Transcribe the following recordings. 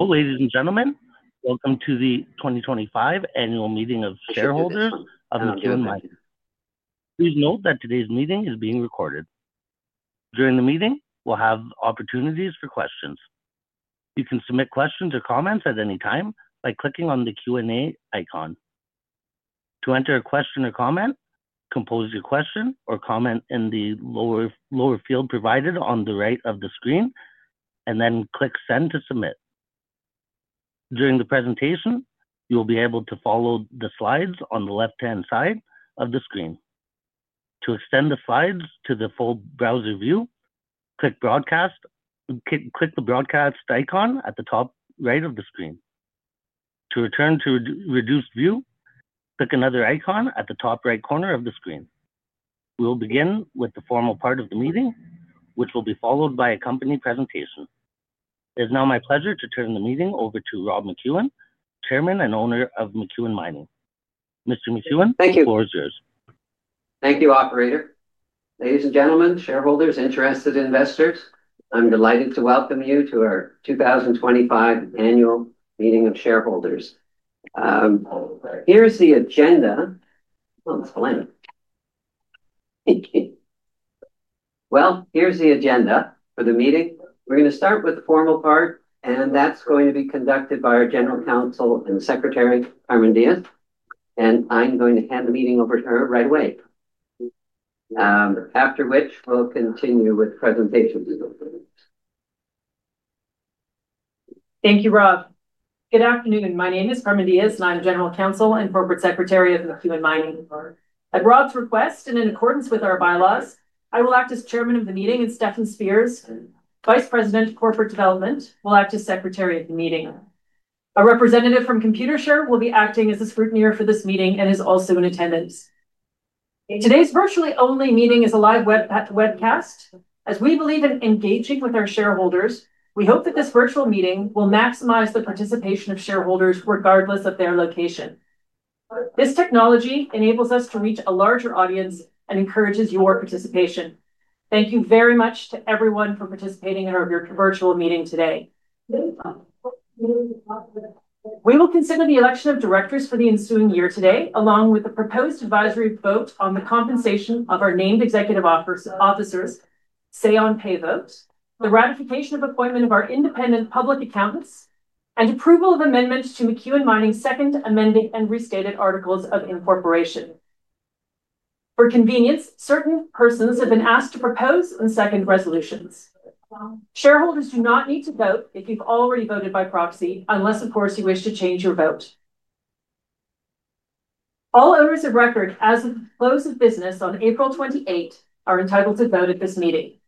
Ladies and gentlemen, welcome to the 2025 Annual Meeting of Shareholders of McEwen Mining. Please note that today's meeting is being recorded. During the meeting, we'll have opportunities for questions. You can submit questions or comments at any time by clicking on the Q&A icon. To enter a question or comment, compose your question or comment in the lower field provided on the right of the screen, and then click send to submit. During the presentation, you'll be able to follow the slides on the left-hand side of the screen. To extend the slides to the full browser view, click the broadcast icon at the top right of the screen. To return to reduced view, click another icon at the top right corner of the screen. We'll begin with the formal part of the meeting, which will be followed by a company presentation. It is now my pleasure to turn the meeting over to Rob McEwen, Chairman and Owner of McEwen Mining. Mr. McEwen, the floor is yours. Thank you, Operator. Ladies and gentlemen, shareholders, interested investors, I'm delighted to welcome you to our 2025 Annual Meeting of Shareholders. Here's the agenda. Here's the agenda for the meeting. We're going to start with the formal part, and that's going to be conducted by our General Counsel and Secretary, Carmen Diges. I'm going to hand the meeting over to her right away, after which we'll continue with presentations. Thank you, Rob. Good afternoon. My name is Carmen Diges, and I'm General Counsel and Corporate Secretary of McEwen Mining. At Rob's request and in accordance with our bylaws, I will act as Chairman of the Meeting, and Stefan Spears, Vice President of Corporate Development, will act as Secretary of the Meeting. A representative from Computershare will be acting as a scrutineer for this meeting and is also in attendance. Today's virtually only meeting is a live webcast. As we believe in engaging with our shareholders, we hope that this virtual meeting will maximize the participation of shareholders regardless of their location. This technology enables us to reach a larger audience and encourages your participation. Thank you very much to everyone for participating in our virtual meeting today. We will consider the election of directors for the ensuing year today, along with the proposed advisory vote on the compensation of our named executive officers, say-on-pay vote, the ratification of appointment of our independent public accountants, and approval of amendments to McEwen Mining's Second Amending and Restated Articles of Incorporation. For convenience, certain persons have been asked to propose and second resolutions. Shareholders do not need to vote if you've already voted by proxy, unless, of course, you wish to change your vote. All owners of record, as of the close of business on April 28, are entitled to vote at this meeting.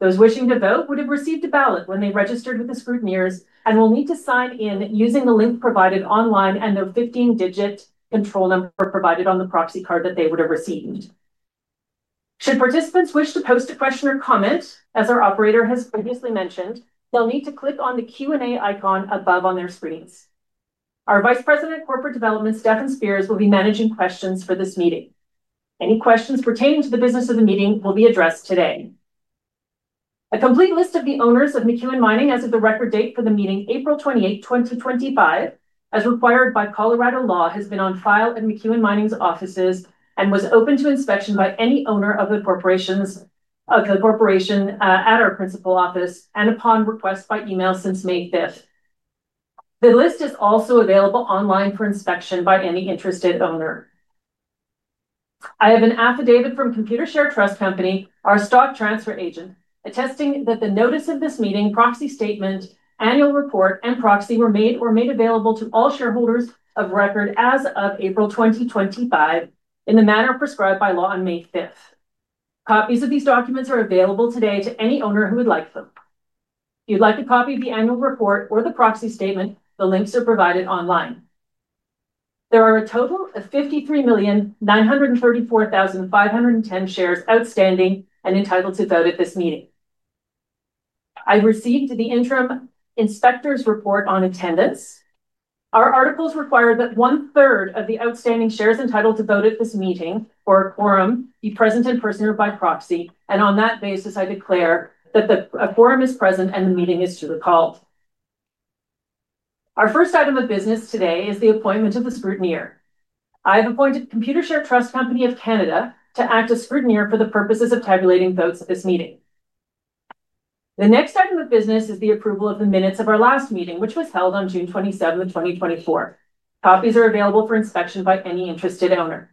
Those wishing to vote would have received a ballot when they registered with the scrutineers and will need to sign in using the link provided online and the 15-digit control number provided on the proxy card that they would have received. Should participants wish to post a question or comment, as our Operator has previously mentioned, they'll need to click on the Q&A icon above on their screens. Our Vice President of Corporate Development, Stefan Spears, will be managing questions for this meeting. Any questions pertaining to the business of the meeting will be addressed today. A complete list of the owners of McEwen Mining, as of the record date for the meeting, April 28, 2025, as required by Colorado law, has been on file at McEwen Mining's offices and was open to inspection by any owner of the corporation at our principal office and upon request by email since May 5th. The list is also available online for inspection by any interested owner. I have an affidavit from Computershare Trust Company, our stock transfer agent, attesting that the notice of this meeting, proxy statement, annual report, and proxy were made or made available to all shareholders of record as of April 2025 in the manner prescribed by law on May 5th. Copies of these documents are available today to any owner who would like them. If you'd like a copy of the annual report or the proxy statement, the links are provided online. There are a total of 53,934,510 shares outstanding and entitled to vote at this meeting. I've received in the interim inspector's report on attendance. Our articles require that one-third of the outstanding shares entitled to vote at this meeting or quorum be present in person or by proxy, and on that basis, I declare that the quorum is present and the meeting is to the call. Our first item of business today is the appointment of the scrutineer. I have appointed Computershare Trust Company of Canada to act as scrutineer for the purposes of tabulating votes at this meeting. The next item of business is the approval of the minutes of our last meeting, which was held on June 27, 2024. Copies are available for inspection by any interested owner.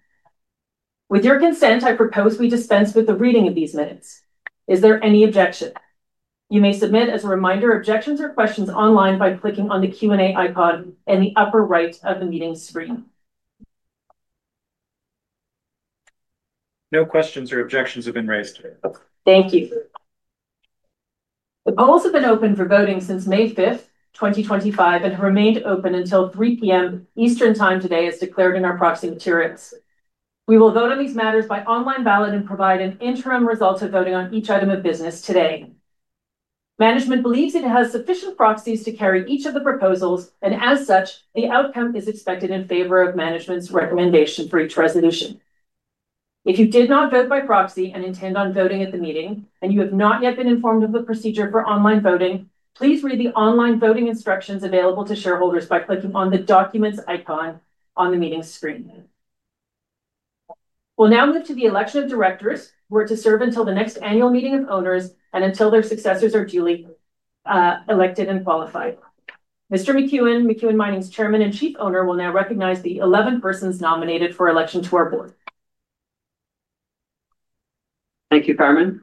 With your consent, I propose we dispense with the reading of these minutes. Is there any objection? You may submit as a reminder objections or questions online by clicking on the Q&A icon in the upper right of the meeting screen. No questions or objections have been raised today. Thank you. The polls have been open for voting since May 5th, 2025, and have remained open until 3:00 P.M. Eastern Time today, as declared in our proxy materials. We will vote on these matters by online ballot and provide an interim result of voting on each item of business today. Management believes it has sufficient proxies to carry each of the proposals, and as such, the outcome is expected in favor of management's recommendation for each resolution. If you did not vote by proxy and intend on voting at the meeting, and you have not yet been informed of the procedure for online voting, please read the online voting instructions available to shareholders by clicking on the documents icon on the meeting screen. We'll now move to the election of directors, who are to serve until the next annual meeting of owners and until their successors are duly elected and qualified. Mr. McEwen, McEwen Mining's Chairman and Chief Owner, will now recognize the 11 persons nominated for election to our board. Thank you, Carmen.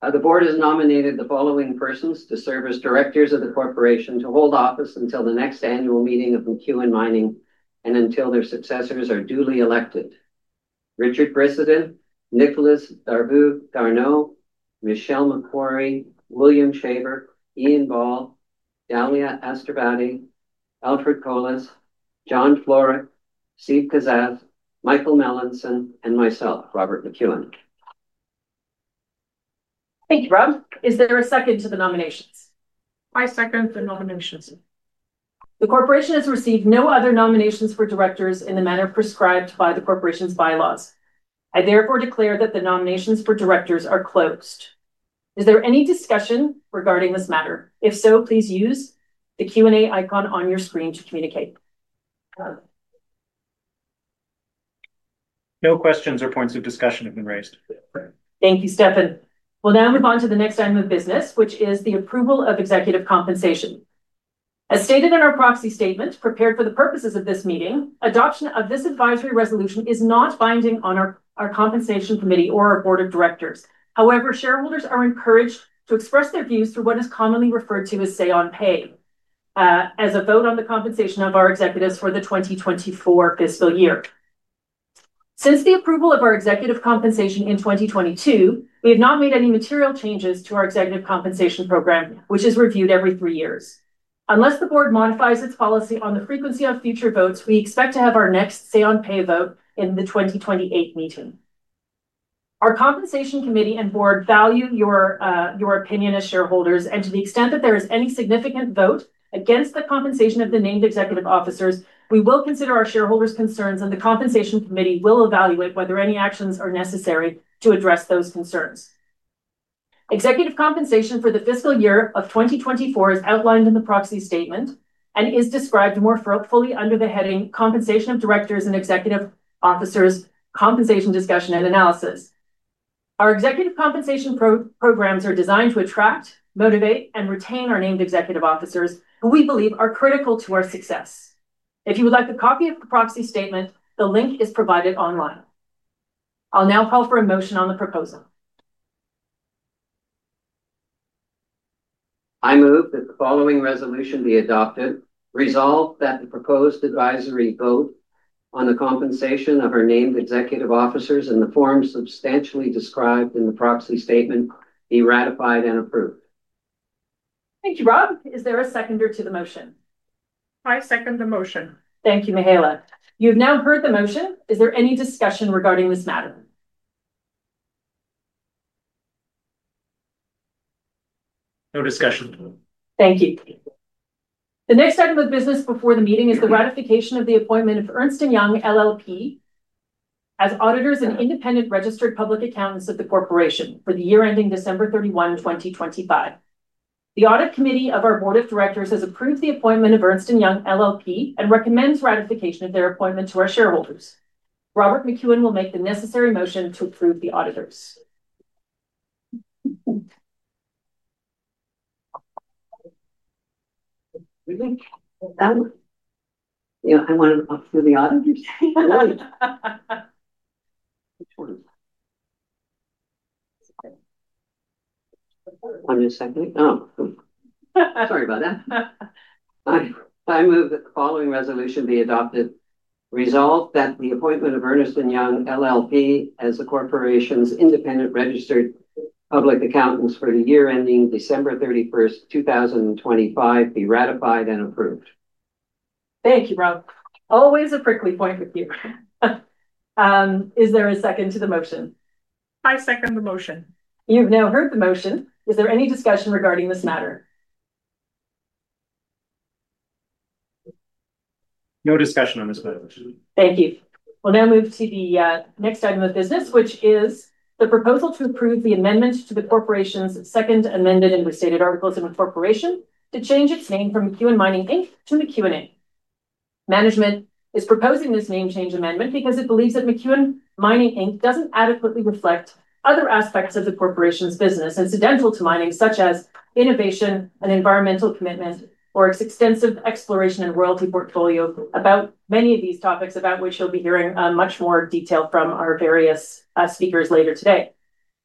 The board has nominated the following persons to serve as directors of the corporation to hold office until the next annual meeting of McEwen Mining and until their successors are duly elected: Richard Brissiden, Nicolas Darveau-Garneau, Michelle Makori, William Shaver, Ian Ball, Dalia Asterbadi, Alfred Colas, John Florek, Steve Kaszas, Michael Melanson, and myself, Robert McEwen. Thank you, Rob. Is there a second to the nominations? I second the nominations. The corporation has received no other nominations for directors in the manner prescribed by the corporation's bylaws. I therefore declare that the nominations for directors are closed. Is there any discussion regarding this matter? If so, please use the Q&A icon on your screen to communicate. No questions or points of discussion have been raised. Thank you, Stefan. We'll now move on to the next item of business, which is the approval of executive compensation. As stated in our proxy statement, prepared for the purposes of this meeting, adoption of this advisory resolution is not binding on our compensation committee or our board of directors. However, shareholders are encouraged to express their views through what is commonly referred to as say-on-pay as a vote on the compensation of our executives for the 2024 fiscal year. Since the approval of our executive compensation in 2022, we have not made any material changes to our executive compensation program, which is reviewed every three years. Unless the board modifies its policy on the frequency of future votes, we expect to have our next say-on-pay vote in the 2028 meeting. Our compensation committee and board value your opinion as shareholders, and to the extent that there is any significant vote against the compensation of the named executive officers, we will consider our shareholders' concerns, and the compensation committee will evaluate whether any actions are necessary to address those concerns. Executive compensation for the fiscal year of 2024 is outlined in the proxy statement and is described more fruitfully under the heading "Compensation of Directors and Executive Officers: Compensation Discussion and Analysis." Our executive compensation programs are designed to attract, motivate, and retain our named executive officers, who we believe are critical to our success. If you would like a copy of the proxy statement, the link is provided online. I'll now call for a motion on the proposal. I move that the following resolution be adopted: Resolve that the proposed advisory vote on the compensation of our named executive officers in the form substantially described in the proxy statement be ratified and approved. Thank you, Rob. Is there a seconder to the motion? I second the motion. Thank you, Mihaela. You have now heard the motion. Is there any discussion regarding this matter? No discussion. Thank you. The next item of business before the meeting is the ratification of the appointment of Ernst & Young LLP, as auditors and independent registered public accountants of the corporation for the year ending December 31, 2025. The audit committee of our board of directors has approved the appointment of Ernst & Young LLP, and recommends ratification of their appointment to our shareholders. Robert McEwen will make the necessary motion to approve the auditors. One second. Oh, sorry about that. I move that the following resolution be adopted: Resolve that the appointment of Ernst & Young LLP, as the corporation's independent registered public accountants for the year ending December 31st, 2025, be ratified and approved. Thank you, Rob. Always a prickly point with you. Is there a second to the motion? I second the motion. You've now heard the motion. Is there any discussion regarding this matter? No discussion on this motion. Thank you. We'll now move to the next item of business, which is the proposal to approve the amendment to the corporation's Second Amended and Restated Articles of Incorporation to change its name from McEwen Mining to McEwen Inc. Management is proposing this name change amendment because it believes that McEwen Mining Inc does not adequately reflect other aspects of the corporation's business incidental to mining, such as innovation, an environmental commitment, or its extensive exploration and royalty portfolio. About many of these topics, about which you'll be hearing much more detail from our various speakers later today.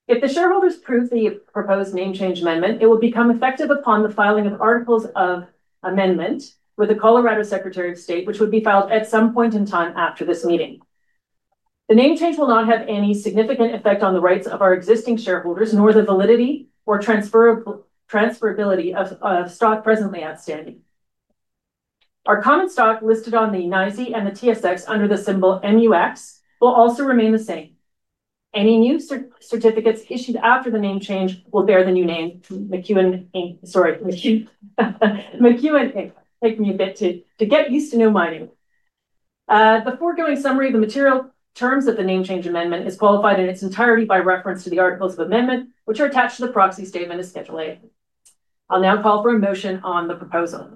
If the shareholders approve the proposed name change amendment, it will become effective upon the filing of Articles of Amendment with the Colorado Secretary of State, which would be filed at some point in time after this meeting. The name change will not have any significant effect on the rights of our existing shareholders, nor the validity or transferability of stock presently outstanding. Our common stock listed on the NYSE and the TSX under the symbol MUX will also remain the same. Any new certificates issued after the name change will bear the new name McEwen, sorry, McEwen Inc. It takes me a bit to get used to no mining. The foregoing summary of the material terms of the name change amendment is qualified in its entirety by reference to the Articles of Amendment, which are attached to the proxy statement as Schedule A. I'll now call for a motion on the proposal.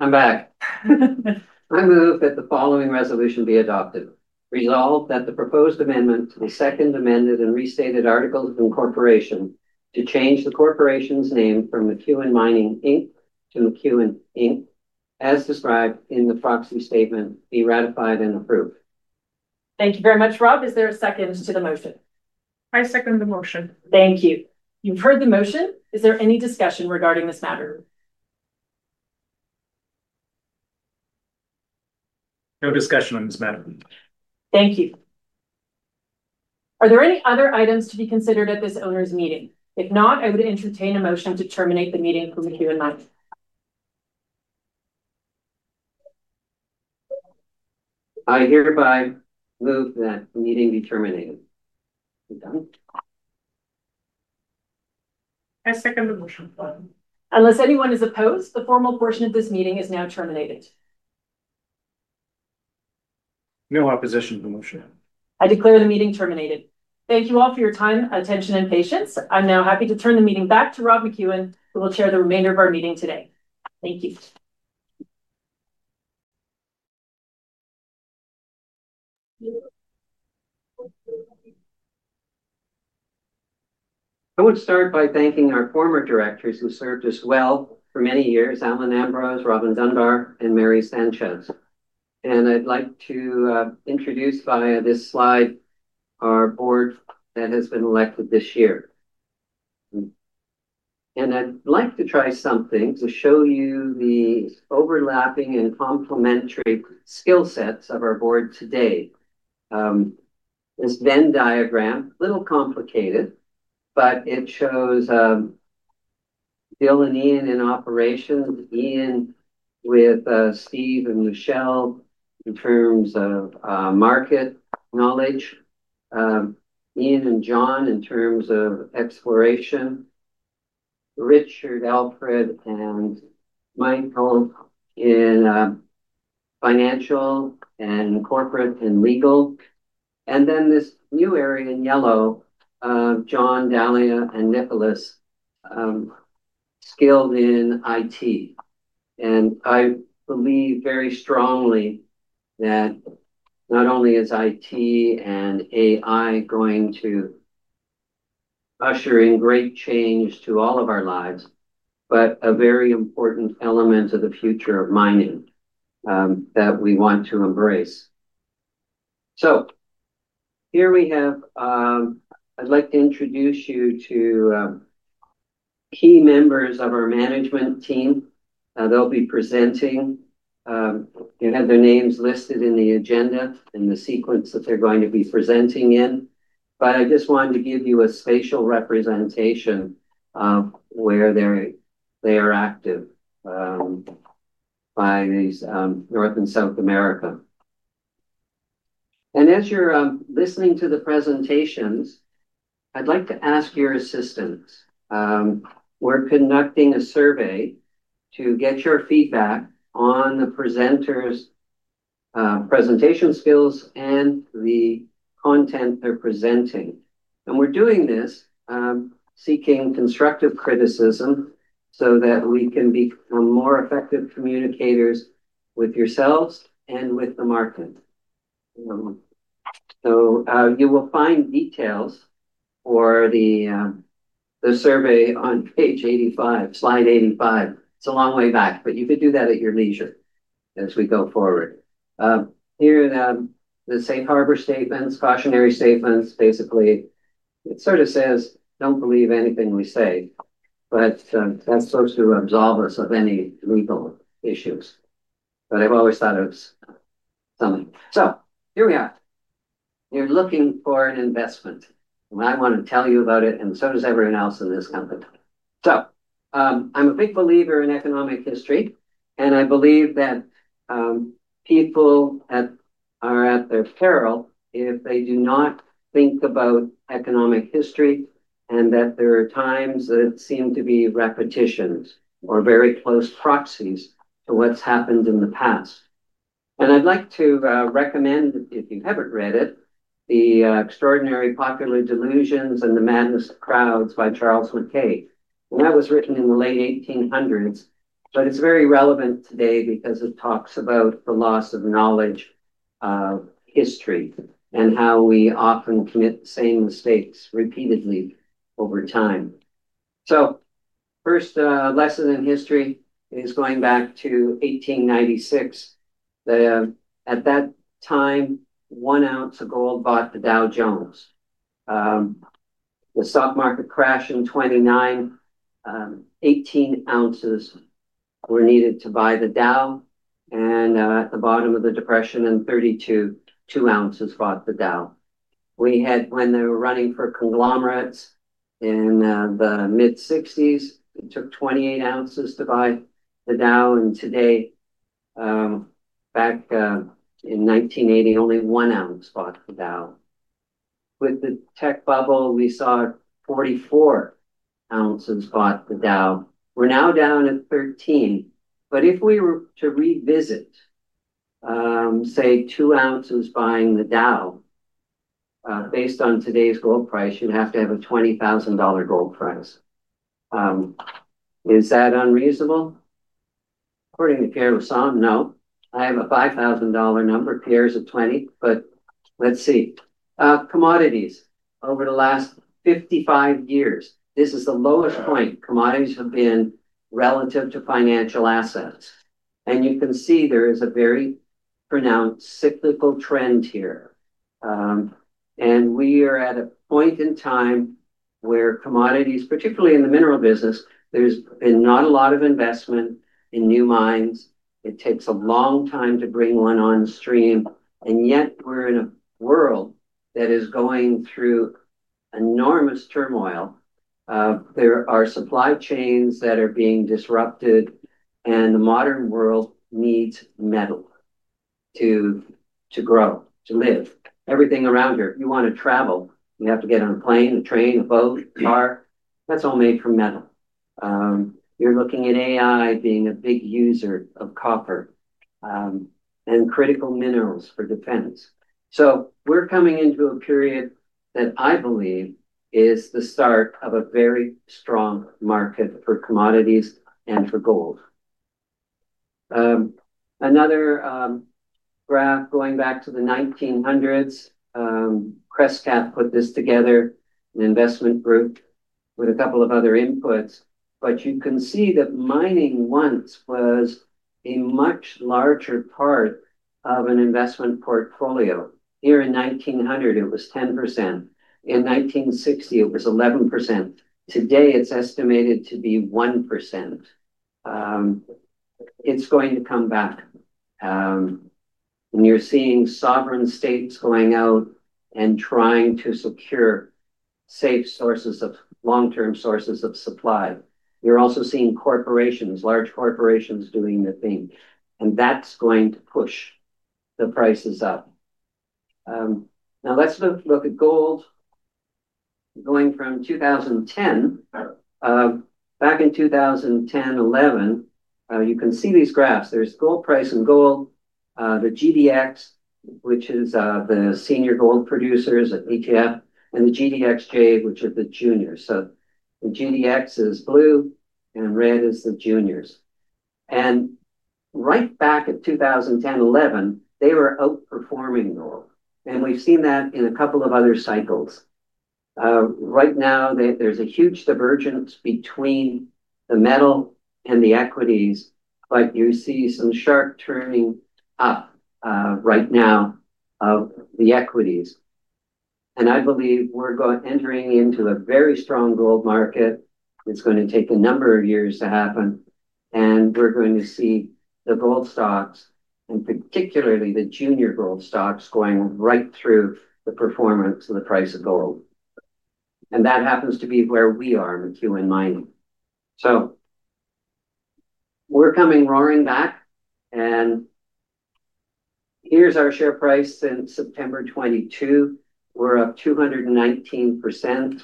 I'm back. I move that the following resolution be adopted: Resolve that the proposed amendment to the Second Amended and Restated Articles of Incorporation to change the corporation's name from McEwen Mining to McEwen Inc, as described in the proxy statement, be ratified and approved. Thank you very much, Rob. Is there a second to the motion? I second the motion. Thank you. You've heard the motion. Is there any discussion regarding this matter? No discussion on this matter. Thank you. Are there any other items to be considered at this owner's meeting? If not, I would entertain a motion to terminate the meeting for McEwen Mining. I hereby move that the meeting be terminated. I second the motion. Unless anyone is opposed, the formal portion of this meeting is now terminated. No opposition to the motion. I declare the meeting terminated. Thank you all for your time, attention, and patience. I'm now happy to turn the meeting back to Rob McEwen, who will chair the remainder of our meeting today. Thank you. I would start by thanking our former directors who served us well for many years: Allen Ambrose, Robin Dunbar, and Mary Sanchez. I would like to introduce via this slide our board that has been elected this year. I would like to try something to show you the overlapping and complementary skill sets of our board today. This Venn diagram, a little complicated, but it shows Bill and Ian in operations, Ian with Steve and Michelle in terms of market knowledge, Ian and John in terms of exploration, Richard, Alfred, and Michael in financial and corporate and legal. This new area in yellow, John, Dalia, and Nicolas, skilled in IT I believe very strongly that not only is IT and AI going to usher in great change to all of our lives, but a very important element of the future of mining that we want to embrace. Here we have, I'd like to introduce you to key members of our management team. They'll be presenting. You have their names listed in the agenda in the sequence that they're going to be presenting in. I just wanted to give you a spatial representation of where they are active by North and South America. As you're listening to the presentations, I'd like to ask your assistance. We're conducting a survey to get your feedback on the presenters' presentation skills and the content they're presenting. We're doing this seeking constructive criticism so that we can become more effective communicators with yourselves and with the market. You will find details for the survey on page 85, slide 85. It's a long way back, but you could do that at your leisure as we go forward. Here are the safe harbor statements, cautionary statements. Basically, it sort of says, "Don't believe anything we say," but that's supposed to absolve us of any legal issues. I've always thought it was, something. Here we are. You're looking for an investment, and I want to tell you about it, and so does everyone else in this company. I'm a big believer in economic history, and I believe that people are at their peril if they do not think about economic history and that there are times that seem to be repetitions or very close proxies to what's happened in the past. I'd like to recommend, if you haven't read it, The Extraordinary Popular Delusions and the Madness of Crowds by Charles McKay. That was written in the late 1800s, but it's very relevant today because it talks about the loss of knowledge of history and how we often commit the same mistakes repeatedly over time. The first lesson in history is going back to 1896. At that time, one of gold bought the Dow Jones. The stock market crashed in 1929. Eighteen s were needed to buy the Dow, and at the bottom of the depression in 1932, 2 oz bought the Dow. When they were running for conglomerates in the mid-1960s, it took 28 oz to buy the Dow. In 1980, only 1 oz bought the Dow. With the tech bubble, we saw 44 oz bought the Dow. We're now down at 13. If we were to revisit, say, two oz buying the Dow based on today's gold price, you'd have to have a $20,000 gold price. Is that unreasonable? According to Pierre Lassonde, no. I have a $5,000 number. Pierre's at 20, but let's see. Commodities over the last 55 years, this is the lowest point commodities have been relative to financial assets. You can see there is a very pronounced cyclical trend here. We are at a point in time where commodities, particularly in the mineral business, there's been not a lot of investment in new mines. It takes a long time to bring one on stream. Yet we're in a world that is going through enormous turmoil. There are supply chains that are being disrupted, and the modern world needs metal to grow, to live. Everything around here, you want to travel, you have to get on a plane, a train, a boat, a car. That's all made from metal. You're looking at AI being a big user of copper and critical minerals for defense. We're coming into a period that I believe is the start of a very strong market for commodities and for gold. Another graph going back to the 1900s, Crescat put this together, an investment group with a couple of other inputs. You can see that mining once was a much larger part of an investment portfolio. Here in 1900, it was 10%. In 1960, it was 11%. Today, it's estimated to be 1%. It's going to come back. When you're seeing sovereign states going out and trying to secure safe sources of long-term sources of supply, you're also seeing corporations, large corporations doing the thing. That is going to push the prices up. Now let's look at gold going from 2010. Back in 2010, 2011, you can see these graphs. There is gold price and gold, the GDX, which is the senior gold producers ETF, and the GDXJ, which are the juniors. The GDX is blue, and red is the juniors. Right back in 2010, 2011, they were outperforming gold. We have seen that in a couple of other cycles. Right now, there is a huge divergence between the metal and the equities, but you see some sharp turning up right now of the equities. I believe we are entering into a very strong gold market. It is going to take a number of years to happen. We are going to see the gold stocks, and particularly the junior gold stocks, going right through the performance of the price of gold. That happens to be where we are in McEwen Mining. We're coming roaring back. Here is our share price in September 2022. We're up 219%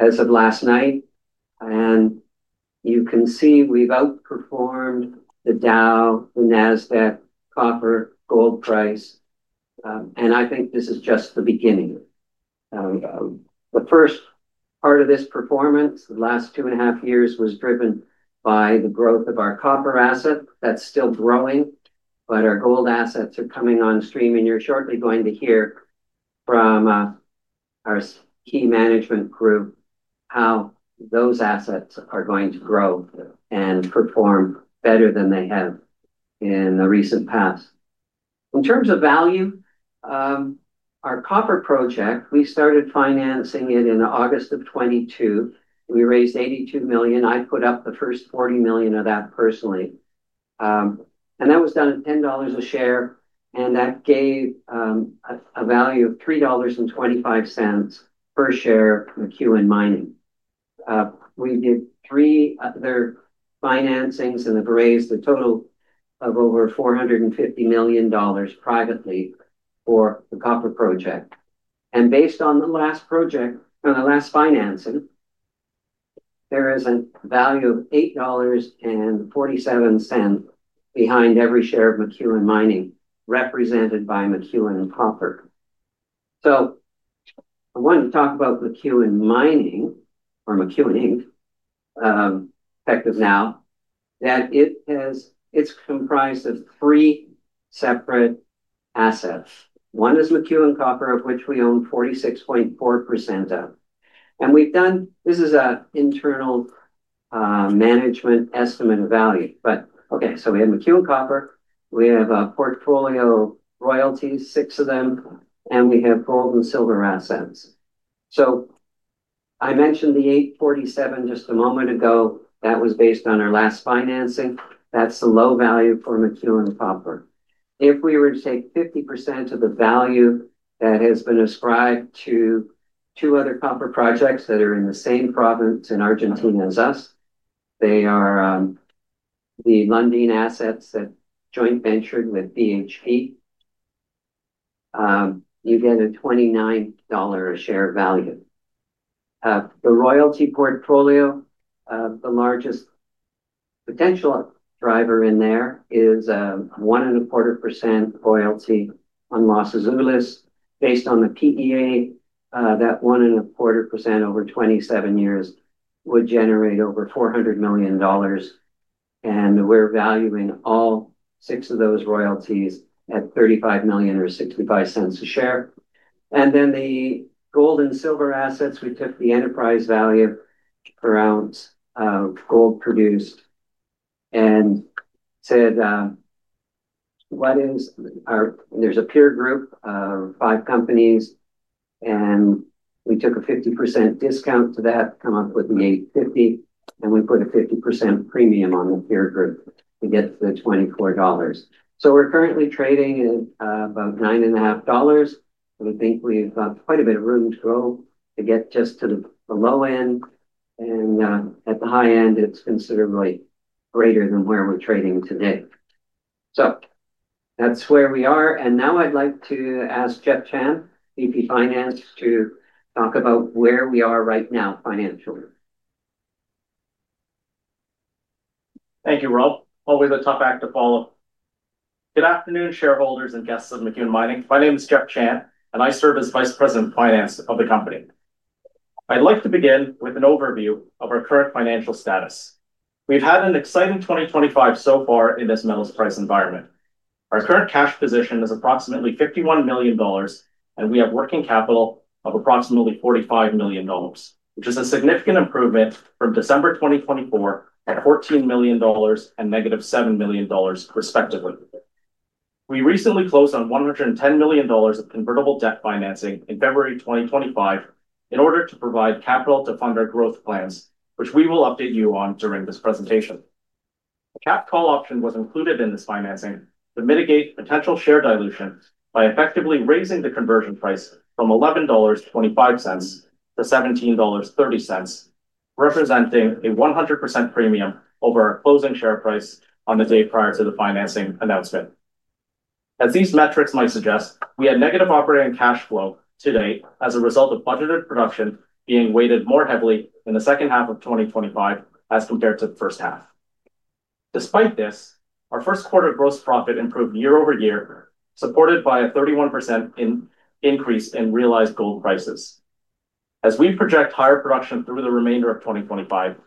as of last night. You can see we've outperformed the Dow, the Nasdaq, copper, gold price. I think this is just the beginning. The first part of this performance, the last two-and-a-half years, was driven by the growth of our copper asset. That's still growing, but our gold assets are coming on stream. You're shortly going to hear from our key management group how those assets are going to grow and perform better than they have in the recent past. In terms of value, our copper project, we started financing it in August of 2022. We raised $82 million. I put up the first $40 million of that personally. That was done at $10 a share. That gave a value of $3.25 per share of McEwen Mining. We did three other financings and have raised a““ total of over $450 million privately for the copper project. Based on the last project, on the last financing, there is a value of $8.47 behind every share of McEwen Mining, represented by McEwen Copper. I wanted to talk about McEwen Mining or McEwen Inc., effective now, that it's comprised of three separate assets. One is McEwen Copper, of which we own 46.4% of. We've done, this is an internal management estimate of value. Okay, we have McEwen Copper. We have portfolio royalties, six of them, and we have gold and silver assets. I mentioned the $8.47 just a moment ago. That was based on our last financing. That's the low value for McEwen Copper. If we were to take 50% of the value that has been ascribed to two other copper projects that are in the same province in Argentina as us, they are the Lundin assets that joint-ventured with BHP. You get a $29 a share value. The royalty portfolio, the largest potential driver in there is a 1.25% royalty on Los Azules. Based on the PEA, that 1.25% over 27 years would generate over $400 million. We are valuing all six of those royalties at $35 million or $0.65 a share. The gold and silver assets, we took the enterprise value per ounce of gold produced. There is a peer group of five companies, and we took a 50% discount to that, come up with the $8.50, and we put a 50% premium on the peer group to get to the $24. We're currently trading at about $9.50. I think we've got quite a bit of room to grow to get just to the low end. At the high end, it's considerably greater than where we're trading today. That's where we are. Now I'd like to ask Jeff Chan, VP Finance, to talk about where we are right now financially. Thank you, Rob. Always a tough act to follow. Good afternoon, shareholders and guests of McEwen Mining. My name is Jeff Chan, and I serve as Vice President of Finance of the company. I'd like to begin with an overview of our current financial status. We've had an exciting 2025 so far in this metals price environment. Our current cash position is approximately $51 million, and we have working capital of approximately $45 million, which is a significant improvement from December 2024 at $14 million and -$7 million, respectively. We recently closed on $110 million of convertible debt financing in February 2025 in order to provide capital to fund our growth plans, which we will update you on during this presentation. A cap call option was included in this financing to mitigate potential share dilution by effectively raising the conversion price from $11.25 to $17.30, representing a 100% premium over our closing share price on the day prior to the financing announcement. As these metrics might suggest, we had negative operating cash flow today as a result of budgeted production being weighted more heavily in the second half of 2025 as compared to the first half. Despite this, our first quarter gross profit improved year-over-year, supported by a 31% increase in realized gold prices. As we project higher production through the remainder of 2025,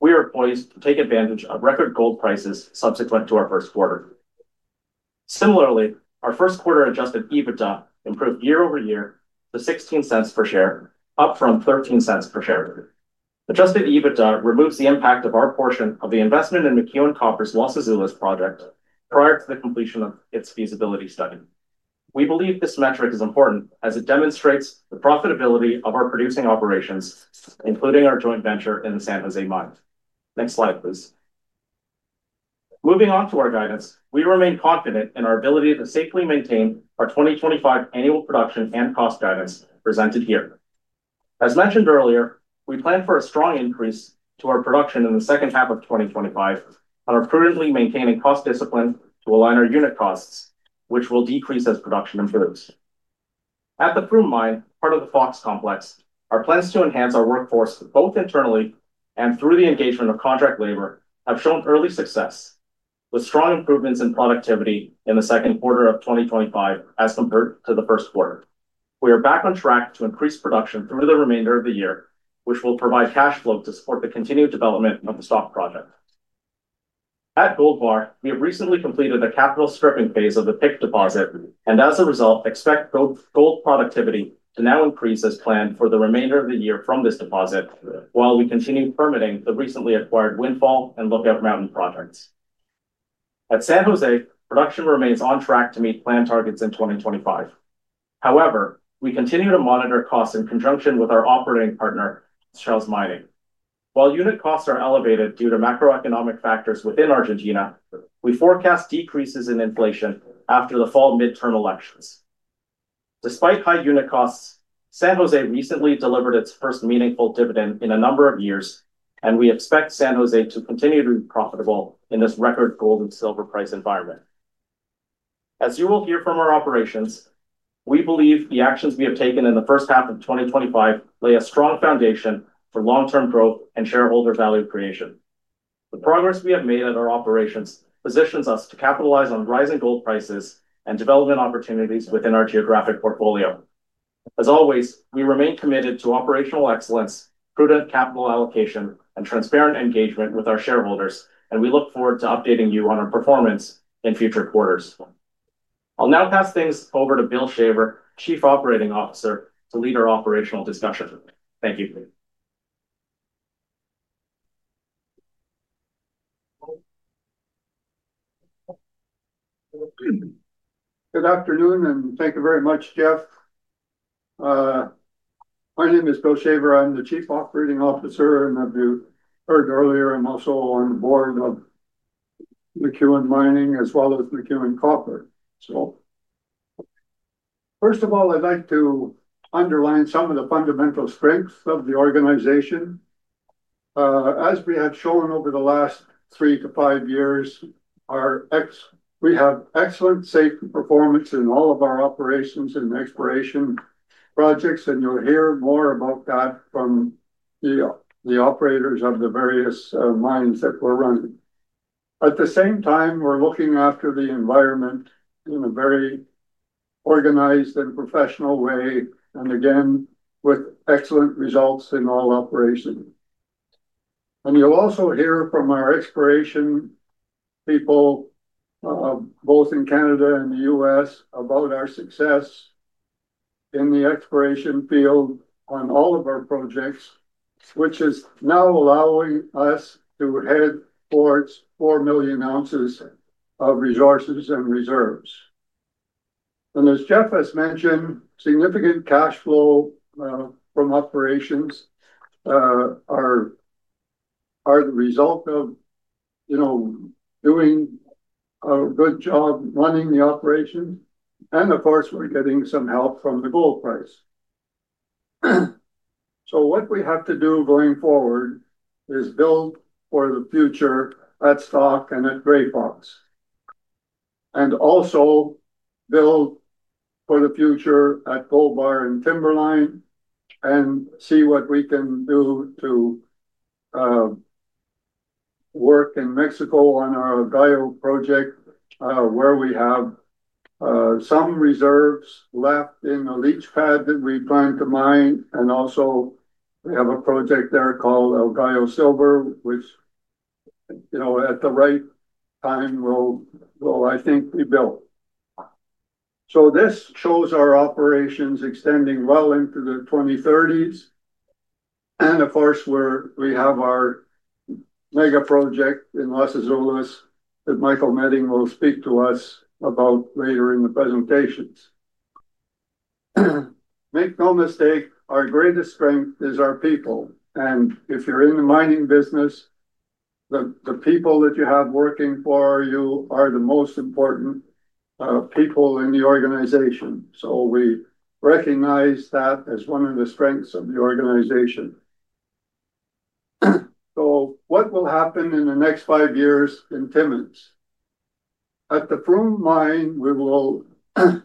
we are poised to take advantage of record gold prices subsequent to our first quarter. Similarly, our first quarter adjusted EBITDA improved year-over-year to $0.16 per share, up from $0.13 per share. Adjusted EBITDA removes the impact of our portion of the investment in McEwen Copper's Los Azules project prior to the completion of its feasibility study. We believe this metric is important as it demonstrates the profitability of our producing operations, including our joint venture in the San Jos´´é mine. Next slide, please. Moving on to our guidance, we remain confident in our ability to safely maintain our 2025 annual production and cost guidance presented here. As mentioned earlier, we plan for a strong increase to our production in the second half of 2025 on our prudently maintaining cost discipline to align our unit costs, which will decrease as production improves. At the Froome mine, part of the Fox Complex, our plans to enhance our workforce both internally and through the engagement of contract labor have shown early success with strong improvements in productivity in the second quarter of 2025 as compared to the first quarter. We are back on track to increase production through the remainder of the year, which will provide cash flow to support the continued development of the stock project. At Gold Bar, we have recently completed the capital stripping phase of the Pick deposit, and as a result, expect gold productivity to now increase as planned for the remainder of the year from this deposit while we continue permitting the recently acquired Windfall and Lookout Mountain projects. At San Jos´´é, production remains on track to meet planned targets in 2025. However, we continue to monitor costs in conjunction with our operating partner, Hochschild Mining. While unit costs are elevated due to macroeconomic factors within Argentina, we forecast decreases in inflation after the fall midterm elections. Despite high unit costs, San Jos´´é recently delivered its first meaningful dividend in a number of years, and we expect San Jos´´é to continue to be profitable in this record gold and silver price environment. As you will hear from our operations, we believe the actions we have taken in the first half of 2025 lay a strong foundation for long-term growth and shareholder value creation. The progress we have made at our operations positions us to capitalize on rising gold prices and development opportunities within our geographic portfolio. As always, we remain committed to operational excellence, prudent capital allocation, and transparent engagement with our shareholders, and we look forward to updating you on our performance in future quarters. I'll now pass things over to Bill Shaver, Chief Operating Officer, to lead our operational discussion. Thank you. Good afternoon, and thank you very much, Jeff. My name is Bill Shaver. I'm the Chief Operating Officer, and as you heard earlier, I'm also on the board of McEwen Mining as well as McEwen Copper. First of all, I'd like to underline some of the fundamental strengths of the organization. As we have shown over the last three to five years, we have excellent safety performance in all of our operations and exploration projects, and you'll hear more about that from the operators of the various mines that we're running. At the same time, we're looking after the environment in a very organized and professional way, again with excellent results in all operations. You'll also hear from our exploration people, both in Canada and the U.S., about our success in the exploration field on all of our projects, which is now allowing us to head towards 4 million oz of resources and reserves. As Jeff has mentioned, significant cash flow from operations are the result of doing a good job running the operation. Of course, we're getting some help from the gold price. What we have to do going forward is build for the future at Stock and at Grey Fox, and also build for the future at Gold Bar and Timberline and see what we can do to work in Mexico on our El Gallo project, where we have some reserves left in the leach pad that we plan to mine. We also have a project there called El Gallo Silver, which at the right time will, I think, be built. This shows our operations extending well into the 2030s. Of course, we have our mega project in Los Azules that Michael Meding will speak to us about later in the presentations. Make no mistake, our greatest strength is our people. If you're in the mining business, the people that you have working for you are the most important people in the organization. We recognize that as one of the strengths of the organization. What will happen in the next five years in Timmins? At the Froome mine,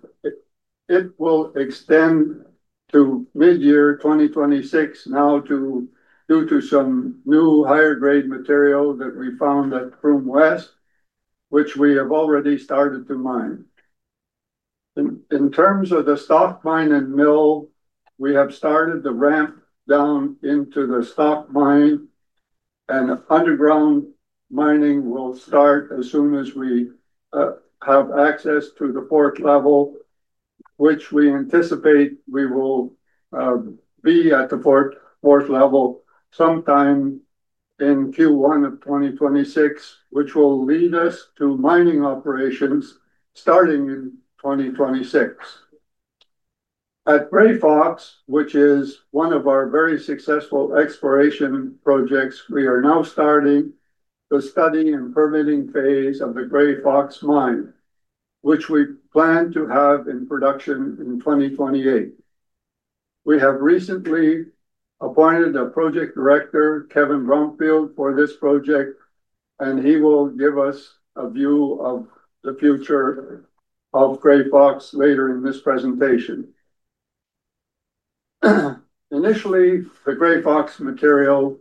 it will extend to mid-year 2026 now due to some new higher-grade material that we found at Froome West, which we have already started to mine. In terms of the Stock mine and mill, we have started the ramp down into the Stock mine, and underground mining will start as soon as we have access to the fourth level, which we anticipate we will be at the fourth level sometime in Q1 of 2026, which will lead us to mining operations starting in 2026. At Grey Fox, which is one of our very successful exploration projects, we are now starting the study and permitting phase of the Grey Fox mine, which we plan to have in production in 2028. We have recently appointed a project director, Kevin Bromfield, for this project, and he will give us a view of the future of Grey Fox later in this presentation. Initially, the Grey Fox material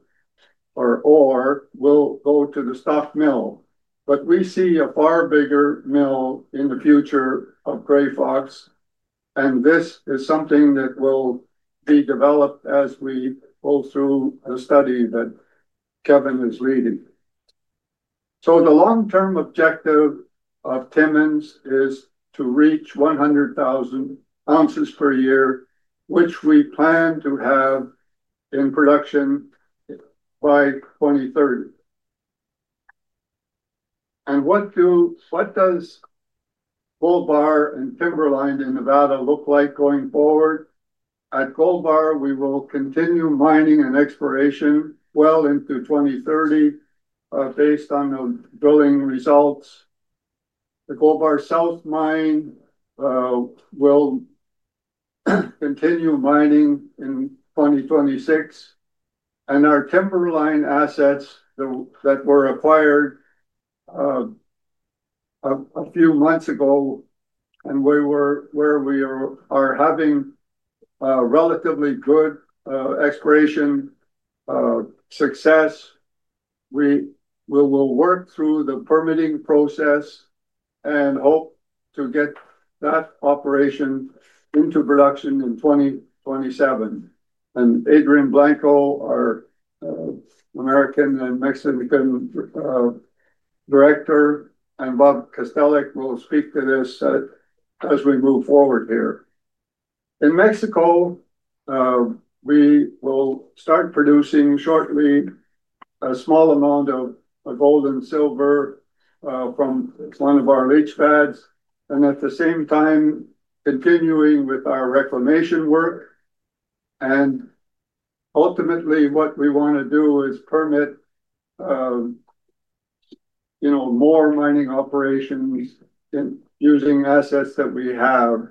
or ore will go to the Stock mill, but we see a far bigger mill in the future of Grey Fox, and this is something that will be developed as we go through the study that Kevin is leading. The long-term objective of Timmins is to reach 100,000 oz per year, which we plan to have in production by 2030. What does Gold Bar and Timberline in Nevada look like going forward? At Gold Bar, we will continue mining and exploration well into 2030 based on the drilling results. The Gold Bar South mine will continue mining in 2026. Our Timberline assets that were acquired a few months ago and where we are having relatively good exploration success, we will work through the permitting process and hope to get that operation into production in 2027. Adrian Blanco, our Americas and Mexico Director, and Bob Kastelic will speak to this as we move forward here. In Mexico, we will start producing shortly a small amount of gold and silver from one of our leach pads, and at the same time, continuing with our reclamation work. Ultimately, what we want to do is permit more mining operations using assets that we have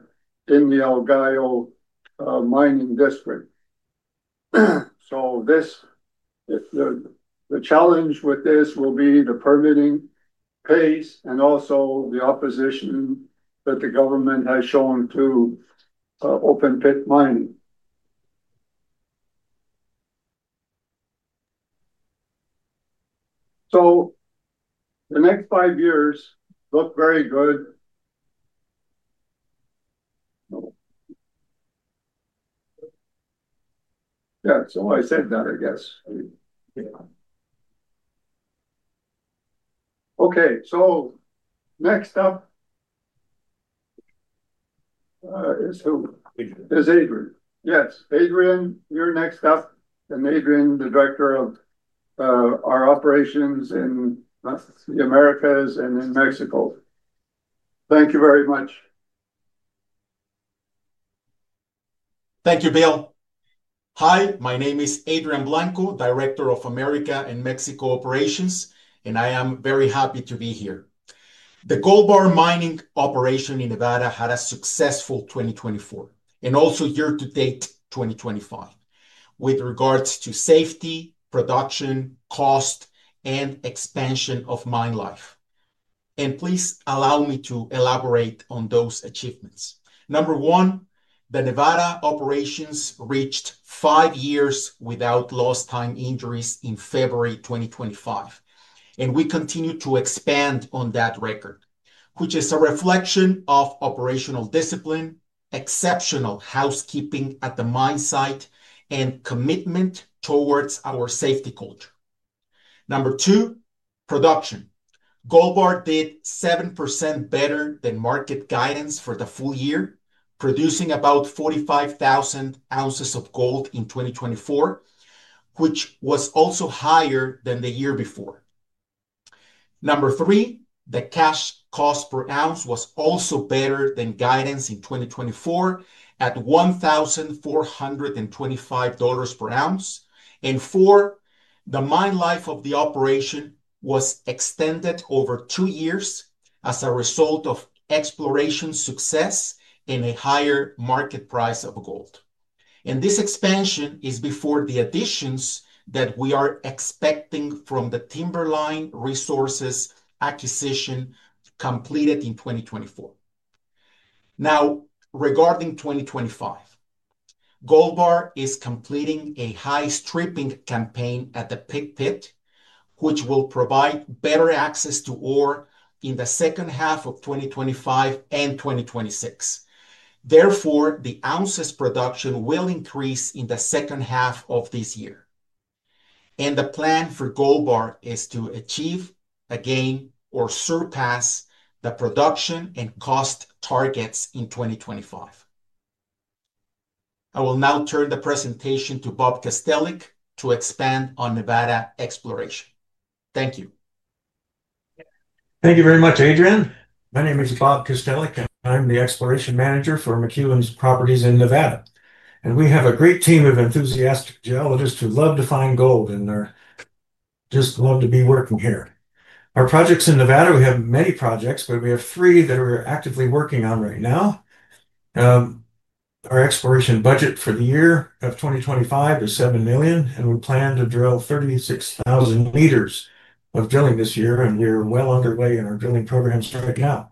in the El Gallo mining district. The challenge with this will be the permitting pace and also the opposition that the government has shown to open-pit mining. The next five years look very good. Yeah, I said that, I guess. Okay, next up is who? Is Adrian. Yes, Adrian, you're next up. Adrian, the Director of our Operations in the Americas and in Mexico. Thank you very much. Thank you, Bill. Hi, my name is Adrian Blanco, Director of Americas and Mexico Operations, and I am very happy to be here. The Gold Bar mining operation in Nevada had a successful 2024 and also year-to-date 2025 with regards to safety, production, cost, and expansion of mine life. Please allow me to elaborate on those achievements. Number one, the Nevada operations reached five years without lost-time injuries in February 2025, and we continue to expand on that record, which is a reflection of operational discipline, exceptional housekeeping at the mine site, and commitment towards our safety culture. Number two, production. Gold Bar did 7% better than market guidance for the full year, producing about 45,000 oz of gold in 2024, which was also higher than the year before. Number three, the cash cost per oz was also better than guidance in 2024 at $1,425 per oz. Number four, the mine life of the operation was extended over two years as a result of exploration success and a higher market price of gold. This expansion is before the additions that we are expecting from the Timberline Resources acquisition completed in 2024. Now, regarding 2025, Gold Bar is completing a high stripping campaign at the Pick pit, which will provide better access to ore in the second half of 2025 and 2026. Therefore, the ounces production will increase in the second half of this year. The plan for Gold Bar is to achieve, again, or surpass the production and cost targets in 2025. I will now turn the presentation to Bob Kastelic to expand on Nevada exploration. Thank you. Thank you very much, Adrian. My name is Bob Kastelic. I'm the exploration manager for McEwen's properties in Nevada. We have a great team of enthusiastic geologists who love to find gold and just love to be working here. Our projects in Nevada, we have many projects, but we have three that we're actively working on right now. Our exploration budget for the year of 2025 is $7 million, and we plan to drill 36,000 m of drilling this year, and we're well underway in our drilling program starting now.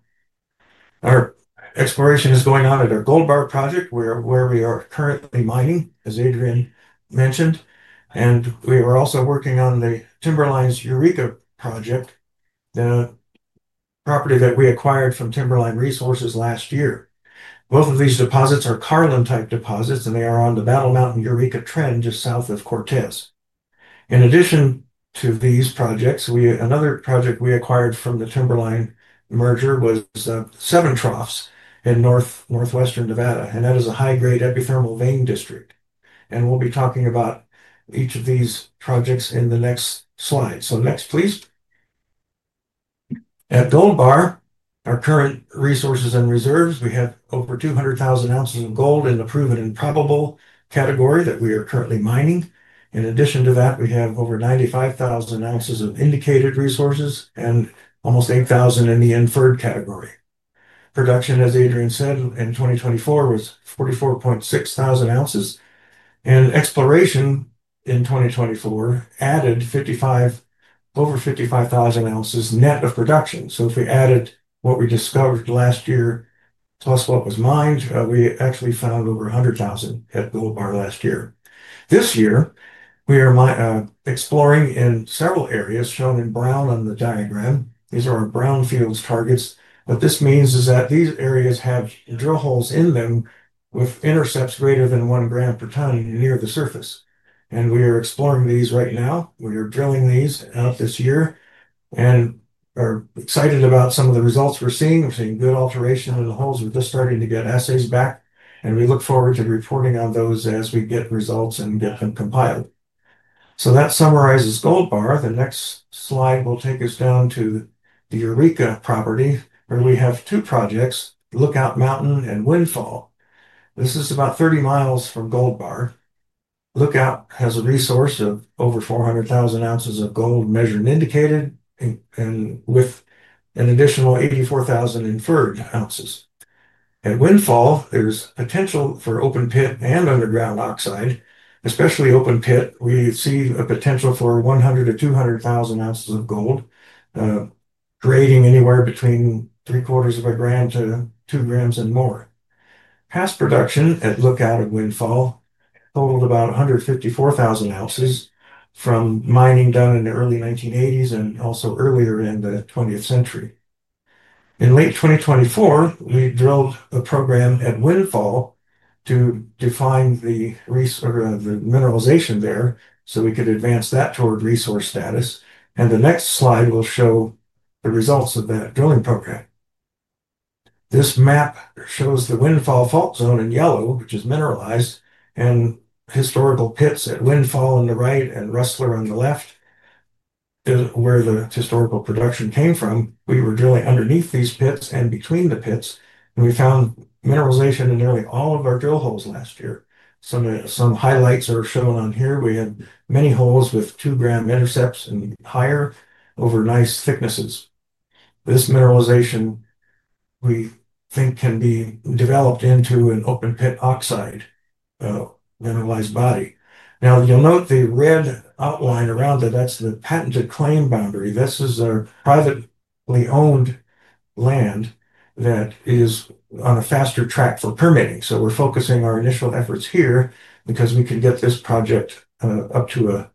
Our exploration is going on at our Gold Bar project, where we are currently mining, as Adrian mentioned, and we are also working on the Timberline's Eureka project, the property that we acquired from Timberline Resources last year. Both of these deposits are Carlin-type deposits, and they are on the Battle Mountain-Eureka trench just south of Cortez. In addition to these projects, another project we acquired from the Timberline merger was Seven Troughs in Northwestern Nevada, and that is a high-grade epithermal vein district. We'll be talking about each of these projects in the next slide. Next, please. At Gold Bar, our current resources and reserves, we have over 200,000 oz of gold in the proven and probable category that we are currently mining. In addition to that, we have over 95,000 oz of indicated resources and almost 8,000 in the inferred category. Production, as Adrian said, in 2024 was 44,600 oz, and exploration in 2024 added over 55,000 oz net of production. If we added what we discovered last year plus what was mined, we actually found over 100,000 at Gold Bar last year. This year, we are exploring in several areas shown in brown on the diagram. These are our brownfields targets. What this means is that these areas have drill holes in them with intercepts greater than 1 gpt near the surface. We are exploring these right now. We are drilling these out this year and are excited about some of the results we're seeing. We're seeing good alteration in the holes. We're just starting to get assays back, and we look forward to reporting on those as we get results and get them compiled. That summarizes Gold Bar. The next slide will take us down to the Eureka property, where we have two projects, Lookout Mountain and Windfall. This is about 30 mi from Gold Bar. Lookout has a resource of over 400,000 oz of gold measured and indicated and with an additional 84,000 inferred oz. At Windfall, there is potential for open pit and underground [oxide], especially open pit. We see a potential for 100,000-200,000 oz of gold, grading anywhere between 0.75 g to 2 g and more. Past production at Lookout and Windfall totaled about 154,000 oz from mining done in the early 1980s and also earlier in the 20th century. In late 2024, we drilled a program at Windfall to define the mineralization there so we could advance that toward resource status. The next slide will show the results of that drilling program. This map shows the Windfall fault zone in yellow, which is mineralized, and historical pits at Windfall on the right and Rustler on the left, where the historical production came from. We were drilling underneath these pits and between the pits, and we found mineralization in nearly all of our drill holes last year. Some highlights are shown on here. We had many holes with 2-g [intercepts] and higher over nice thicknesses. This mineralization, we think, can be developed into an open-pit oxide mineralized body. Now, you'll note the red outline around that. That's the patented claim boundary. This is our privately owned land that is on a faster track for permitting. We are focusing our initial efforts here because we can get this project up to a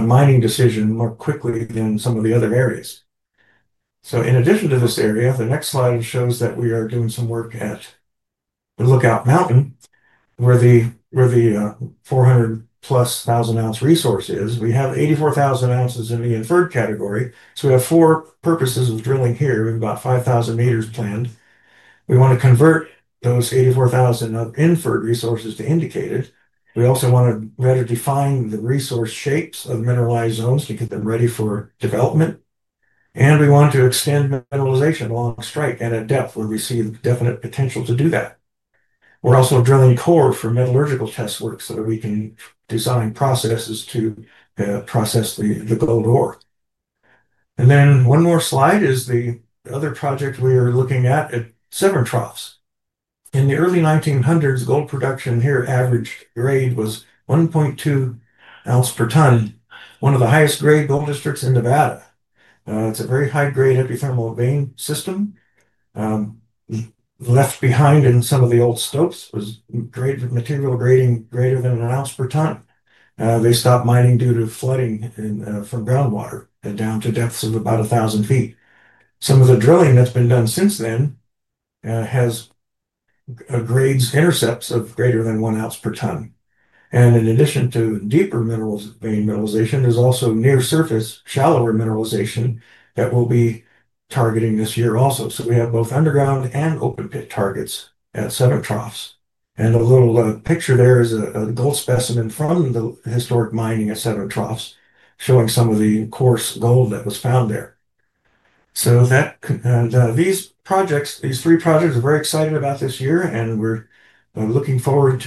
mining decision more quickly than some of the other areas. In addition to this area, the next slide shows that we are doing some work at Lookout Mountain, where the 400,000+ oz resource is. We have 84,000 oz in the inferred category. We have four purposes of drilling here. We have 5,000 m planned. We want to convert those 84,000 inferred resources to indicated. We also want to better define the resource shapes of mineralized zones to get them ready for development. We want to extend mineralization along strike and at depth where we see the definite potential to do that. We're also drilling core for metallurgical test works so that we can design processes to process the gold ore. One more slide is the other project we are looking at at Seven Troughs. In the early 1900s, gold production here averaged grade was 1.2 oz per ton, one of the highest grade gold districts in Nevada. It's a very high-grade epithermal vein system. Left behind in some of the old stopes was material grading greater than 1 oz per ton. They stopped mining due to flooding from groundwater down to depths of about 1,000 ft. Some of the drilling that's been done since then has grades intercepts of greater than 1 oz per ton. In addition to deeper mineralization, there's also near-surface shallower mineralization that we'll be targeting this year also. We have both underground and open-pit targets at Seven Troughs. A little picture there is a gold specimen from the historic mining at Seven Troughs showing some of the coarse gold that was found there. These projects, these three projects, are very excited about this year, and we're looking forward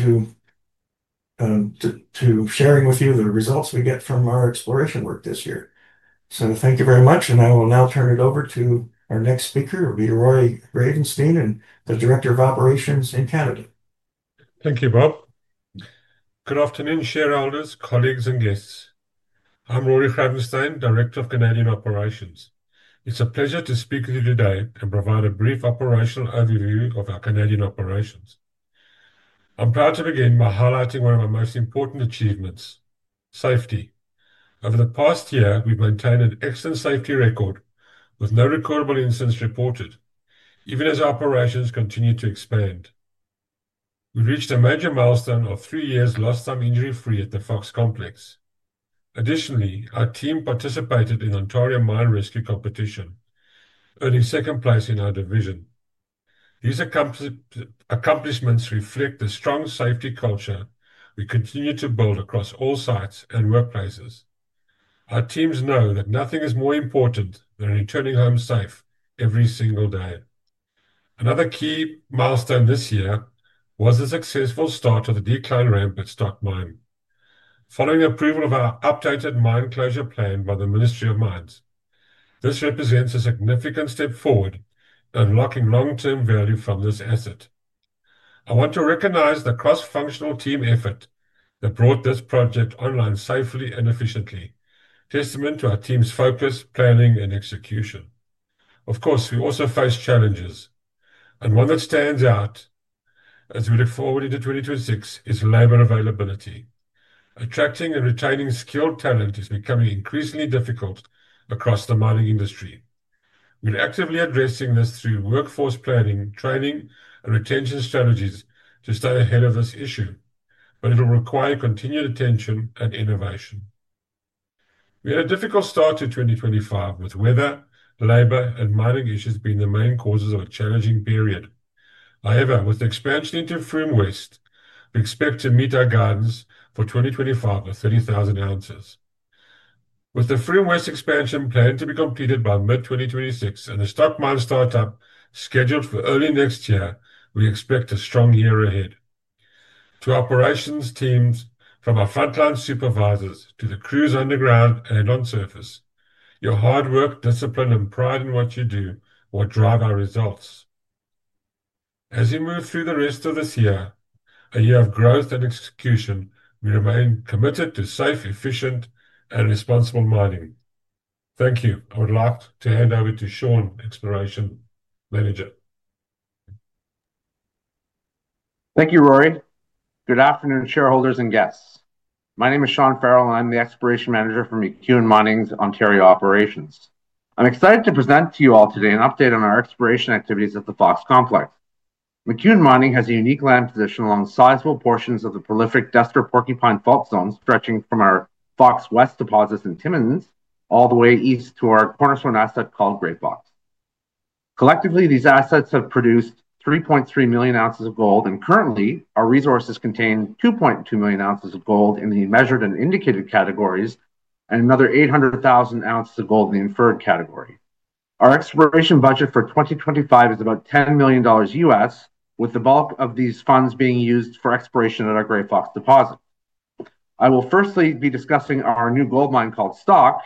to sharing with you the results we get from our exploration work this year. Thank you very much, and I will now turn it over to our next speaker, Rory Greyensteyn, the Director of Operations in Canada. Thank you, Bob. Good afternoon, shareholders, colleagues, and guests. I'm Rory Ravenstein, Director of Canadian Operations. It's a pleasure to speak with you today and provide a brief operational overview of our Canadian operations. I'm proud to begin by highlighting one of our most important achievements, safety. Over the past year, we've maintained an excellent safety record with no recordable incidents reported, even as our operations continue to expand. We reached a major milestone of three years lost-time injury-free at the Fox Complex. Additionally, our team participated in the Ontario Mine Rescue Competition, earning second place in our division. These accomplishments reflect the strong safety culture we continue to build across all sites and workplaces. Our teams know that nothing is more important than returning home safe every single day. Another key milestone this year was the successful start of the decline ramp at Stock Mine, following approval of our updated mine closure plan by the Ministry of Mines. This represents a significant step forward, unlocking long-term value from this asset. I want to recognize the cross-functional team effort that brought this project online safely and efficiently, testament to our team's focus, planning, and execution. Of course, we also face challenges, and one that stands out as we look forward into 2026 is labor availability. Attracting and retaining skilled talent is becoming increasingly difficult across the mining industry. We're actively addressing this through workforce planning, training, and retention strategies to stay ahead of this issue, but it'll require continued attention and innovation. We had a difficult start to 2025 with weather, labor, and mining issues being the main causes of a challenging period. However, with the expansion into Froome West, we expect to meet our guidance for 2025 with 30,000 oz. With the Froome West expansion plan to be completed by mid-2026 and the Stock Mine startup scheduled for early next year, we expect a strong year ahead. To operations teams, from our frontline supervisors, to the crews underground and on surface, your hard work, discipline, and pride in what you do will drive our results. As we move through the rest of this year, a year of growth and execution, we remain committed to safe, efficient, and responsible mining. Thank you. I would like to hand over to Sean, Exploration Manager. Thank you, Rory. Good afternoon, shareholders and guests. My name is Sean Farrell, and I'm the Exploration Manager for McEwen Mining's Ontario Operations. I'm excited to present to you all today an update on our exploration activities at the Fox Complex. McEwen Mining has a unique land position along sizable portions of the prolific Destor-Porcupine Fault Zone, stretching from our Fox West deposits in Timmins all the way east to our cornerstone asset called Grey Fox. Collectively, these assets have produced 3.3 million oz of gold, and currently, our resources contain 2.2 million oz of gold in the measured and indicated categories and another 800,000 oz of gold in the inferred category. Our exploration budget for 2025 is about $10 million, with the bulk of these funds being used for exploration at our Grey Fox deposit. I will firstly be discussing our new gold mine called Stock,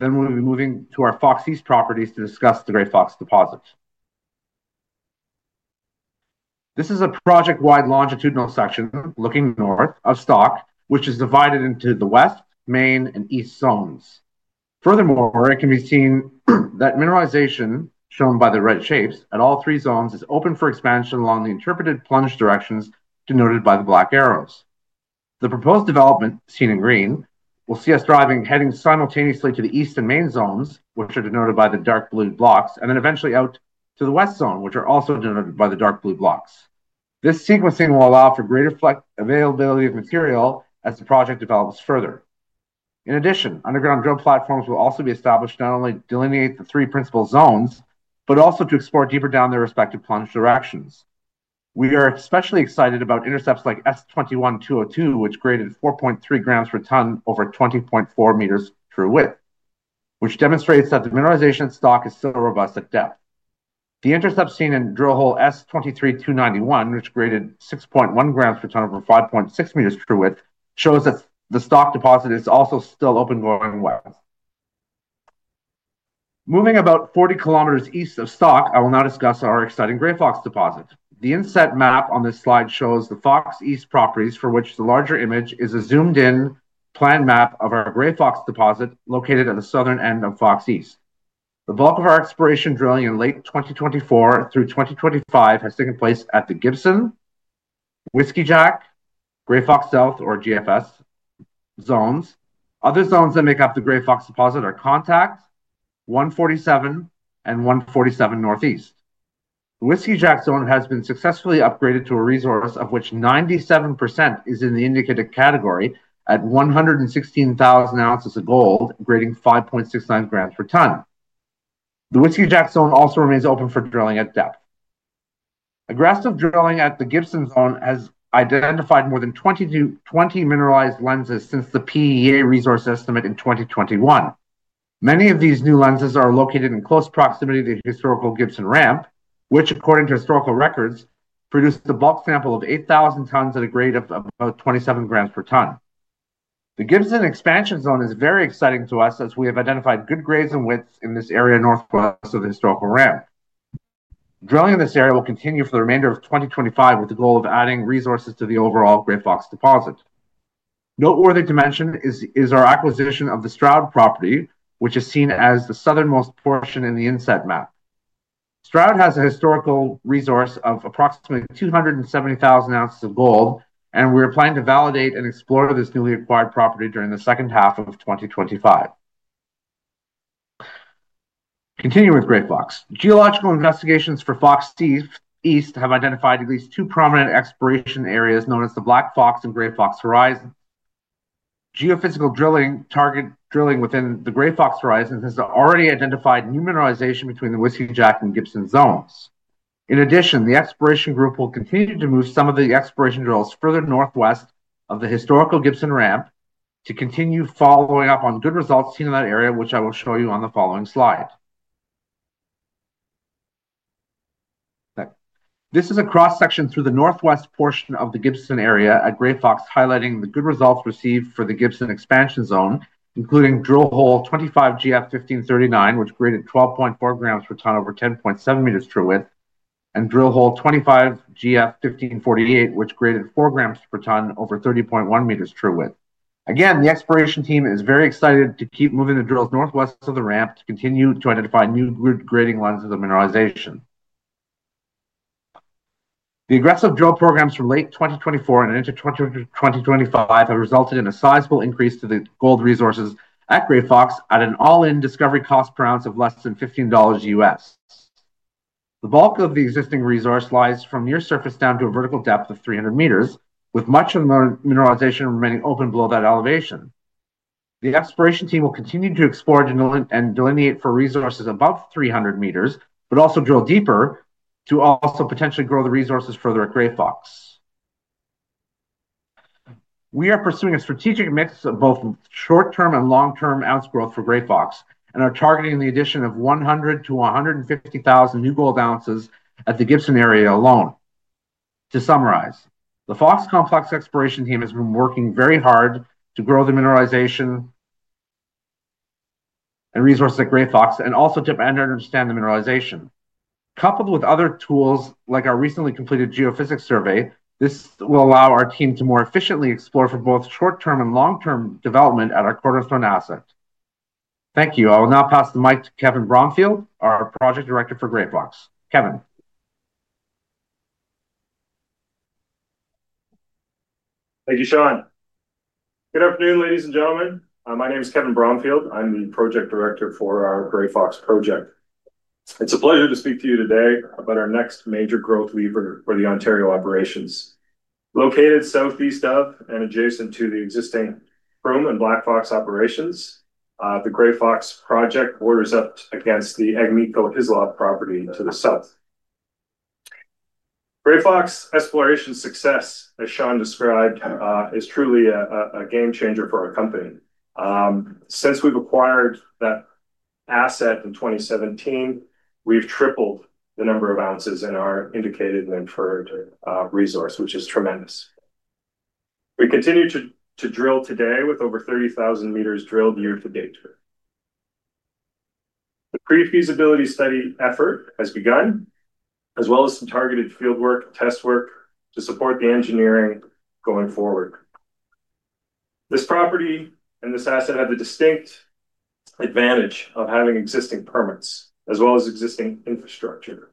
then we'll be moving to our Fox East properties to discuss the Grey Fox deposit. This is a project-wide longitudinal section looking north of Stock, which is divided into the west, main, and east zones. Furthermore, it can be seen that mineralization shown by the red shapes at all three zones is open for expansion along the interpreted plunge directions denoted by the black arrows. The proposed development, seen in green, will see us driving heading simultaneously to the east and main zones, which are denoted by the dark blue blocks, and then eventually out to the west zone, which are also denoted by the dark blue blocks. This sequencing will allow for greater availability of material as the project develops further. In addition, underground drill platforms will also be established not only to delineate the three principal zones, but also to explore deeper down their respective plunge directions. We are especially excited about intercepts like S21-202, which graded 4.3 gpt over 20.4 m true-width, which demonstrates that the mineralization stock is still robust at depth. The intercept seen in drill hole S23-291, which graded 6.1 gpt over 5.6 m true-width, shows that the Sstock deposit is also still open going west. Moving about 40 km east of Stock, I will now discuss our exciting Grey Fox deposit. The inset map on this slide shows the Fox East properties, for which the larger image is a zoomed-in plan map of our Grey Fox deposit located at the southern end of Fox East. The bulk of our exploration drilling in late 2024 through 2025 has taken place at the Gibson, Whiskey-Jack, Grey Fox South, or GFS zones. Other zones that make up the Grey Fox deposit are Contact, 147, and 147 Northeast. The Whiskey-Jack zone has been successfully upgraded to a resource of which 97% is in the indicated category at 116,000 oz of gold, grading 5.69 gpt. The Whiskey-Jack zone also remains open for drilling at depth. A grasp of drilling at the Gibson zone has identified more than 20 mineralized lenses since the PEA resource estimate in 2021. Many of these new lenses are located in close proximity to the historical Gibson Ramp, which, according to historical records, produced a bulk sample of 8,000 tons at a grade of about 27 gpt. The Gibson expansion zone is very exciting to us as we have identified good grades and widths in this area northwest of the historical ramp. Drilling in this area will continue for the remainder of 2025 with the goal of adding resources to the overall Grey Fox deposit. Noteworthy to mention is our acquisition of the Stroud property, which is seen as the southernmost portion in the inset map. Stroud has a historical resource of approximately 270,000 oz of gold, and we are planning to validate and explore this newly acquired property during the second half of 2025. Continuing with Grey Fox, geological investigations for Fox East have identified at least two prominent exploration areas known as the Black Fox and Grey Fox Horizon. Geophysical drilling target drilling within the Grey Fox Horizon has already identified new mineralization between the Whiskey-Jack and Gibson zones. In addition, the exploration group will continue to move some of the exploration drills further northwest of the historical Gibson Ramp to continue following up on good results seen in that area, which I will show you on the following slide. This is a cross-section through the northwest portion of the Gibson area at Grey Fox, highlighting the good results received for the Gibson expansion zone, including drill hole 25GF-1539, which graded 12.4 gpt over 10.7 m true-width, and drill hole 25GF-1548, which graded 4 grams per ton over 30.1 m true-width. Again, the exploration team is very excited to keep moving the drills northwest of the ramp to continue to identify new good grading lines of the mineralization. The aggressive drill programs from late 2024 and into 2025 have resulted in a sizable increase to the gold resources at Grey Fox at an all-in discovery cost per ounce of less than $15. The bulk of the existing resource lies from near-surface down to a vertical depth of 300 m, with much of the mineralization remaining open below that elevation. The exploration team will continue to explore and delineate for resources above 300 m, but also drill deeper to also potentially grow the resources further at Grey Fox. We are pursuing a strategic mix of both short-term and long-term ounce growth for Grey Fox and are targeting the addition of 100,000-150,000 new gold oz at the Gibson area alone. To summarize, the Fox Complex exploration team has been working very hard to grow the mineralization and resources at Grey Fox and also to better understand the mineralization. Coupled with other tools like our recently completed geophysics survey, this will allow our team to more efficiently explore for both short-term and long-term development at our cornerstone asset. Thank you. I will now pass the mic to Kevin Bromfield, our Project Director for Grey Fox. Kevin. Thank you, Sean. Good afternoon, ladies and gentlemen. My name is Kevin Bromfield. I'm the Project Director for our Grey Fox Project. It's a pleasure to speak to you today about our next major growth lever for the Ontario operations. Located southeast of and adjacent to the existing Froome and Black Fox operations, the Grey Fox project borders up against the Agnico-Hislop property to the south. Grey Fox exploration success, as Sean described, is truly a game changer for our company. Since we've acquired that asset in 2017, we've tripled the number of ounces in our indicated and inferred resource, which is tremendous. We continue to drill today with over 30,000 m drilled year-to-date. The pre-feasibility study effort has begun, as well as some targeted fieldwork and test work to support the engineering going forward. This property and this asset have the distinct advantage of having existing permits as well as existing infrastructure.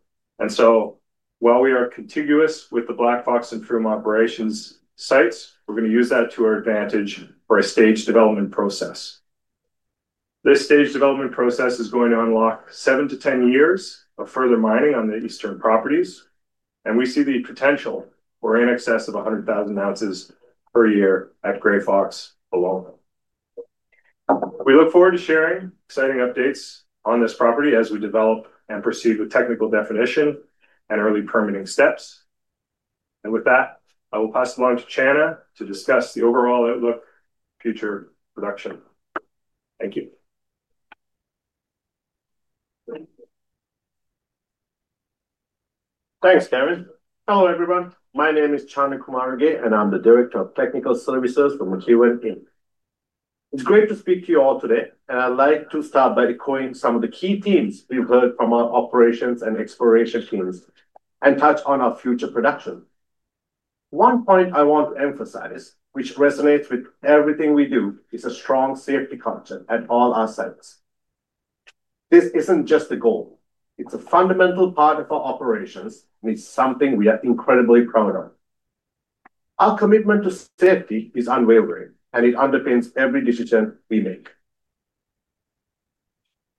While we are contiguous with the Black Fox and Froome operations sites, we're going to use that to our advantage for a staged development process. This staged development process is going to unlock seven-10 years of further mining on the eastern properties, and we see the potential for in excess of 100,000 oz per year at Grey Fox alone. We look forward to sharing exciting updates on this property as we develop and proceed with technical definition and early permitting steps. I will pass it along to Channa to discuss the overall outlook for future production. Thank you. Thanks, Kevin. Hello, everyone. My name is Channa Kumarage, and I'm the Director of Technical Services for McEwen Inc. It's great to speak to you all today, and I'd like to start by decoding some of the key themes we've heard from our operations and exploration teams and touch on our future production. One point I want to emphasize, which resonates with everything we do, is a strong safety concept at all our sites. This is not just a goal. It is a fundamental part of our operations and is something we are incredibly proud of. Our commitment to safety is unwavering, and it underpins every decision we make.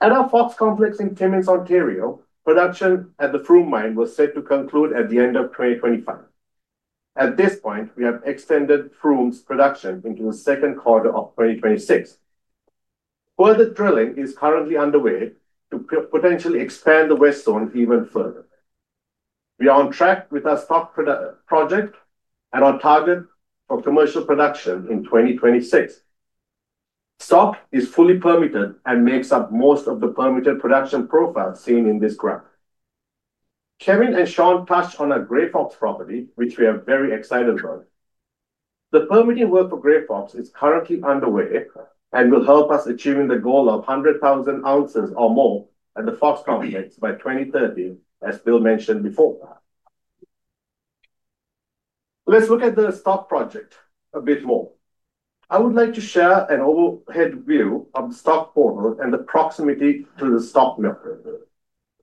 At our Fox Complex in Timmins, Ontario, production at the Froome mine was set to conclude at the end of 2025. At this point, we have extended Froome's production into the second quarter of 2026. Further drilling is currently underway to potentially expand the west zone even further. We are on track with our Stock project and our target for commercial production in 2026. Stock is fully permitted and makes up most of the permitted production profile seen in this graph. Kevin and Sean touched on the Grey Fox property, which we are very excited about. The permitting work for Grey Fox is currently underway and will help us achieve the goal of 100,000 oz or more at the Fox Complex by 2030, as Bill mentioned before. Let's look at the Stock project a bit more. I would like to share an overhead view of the Stock portal and the proximity to the Stock.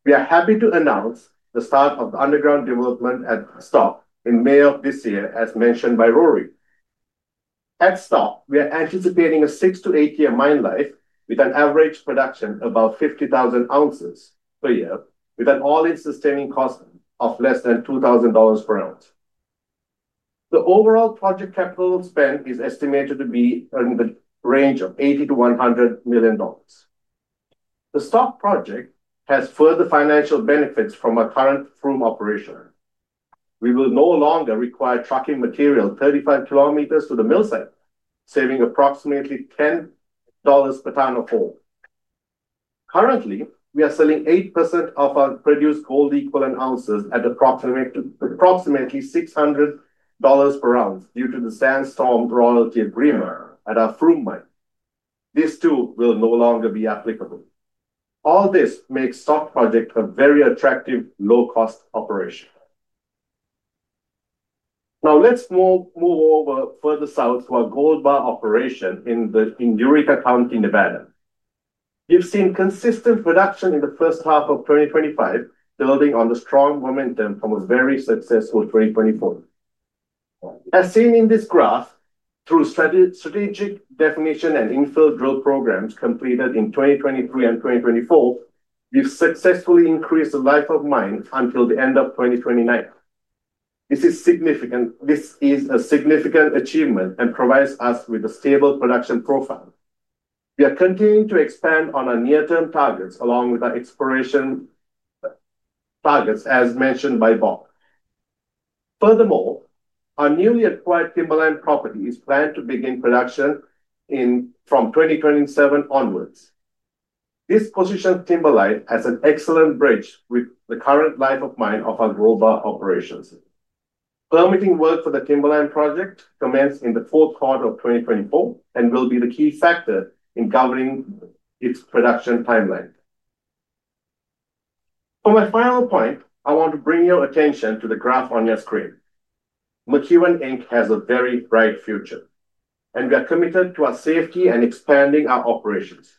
We are happy to announce the start of the underground development at Stock in May of this year, as mentioned by Rory. At Stock, we are anticipating a six- to eight-year mine life with an average production of about 50,000 oz per year, with an all-in sustaining cost of less than $2,000 per oz. The overall project capital spend is estimated to be in the range of $80 million-$100 million. The Stock project has further financial benefits from our current Froome operation. We will no longer require trucking material 35 km to the mill site, saving approximately $10 per ton of gold. Currently, we are selling 8% of our produced gold-equivalent ounces at approximately $600 per oz due to the Sandstorm royalty agreement at our Froome mine. This too will no longer be applicable. All this makes Stock project a very attractive low-cost operation. Now, let's move over further south to our Gold Bar operation in Eureka County, Nevada. We've seen consistent production in the first half of 2025, building on the strong momentum from a very successful 2024. As seen in this graph, through strategic definition and infill drill programs completed in 2023 and 2024, we've successfully increased the life of mine until the end of 2029. This is a significant achievement and provides us with a stable production profile. We are continuing to expand on our near-term targets along with our exploration targets, as mentioned by Bob. Furthermore, our newly acquired Timberline property is planned to begin production from 2027 onwards. This positions Timberline as an excellent bridge with the current life of mine of our Gold Bar operations. Permitting work for the Timberline project commences in the fourth quarter of 2024 and will be the key factor in governing its production timeline. For my final point, I want to bring your attention to the graph on your screen. McEwen Inc has a very bright future, and we are committed to our safety and expanding our operations.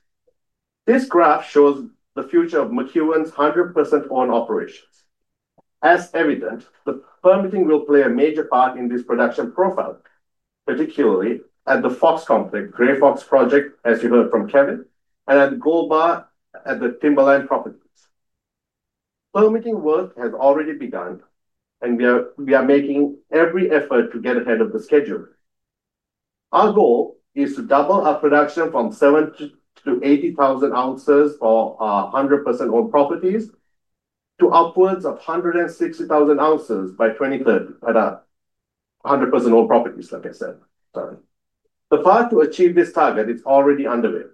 This graph shows the future of McEwen's 100%-owned operations. As evident, the permitting will play a major part in this production profile, particularly at the Fox Complex, Grey Fox project, as you heard from Kevin, and at Gold Bar at the Timberline properties. Permitting work has already begun, and we are making every effort to get ahead of the schedule. Our goal is to double our production from 70,000 to 80,000 oz for our 100%-owned properties to upwards of 160,000 oz by 2030 at our 100%-owned properties, like I said. The path to achieve this target is already underway,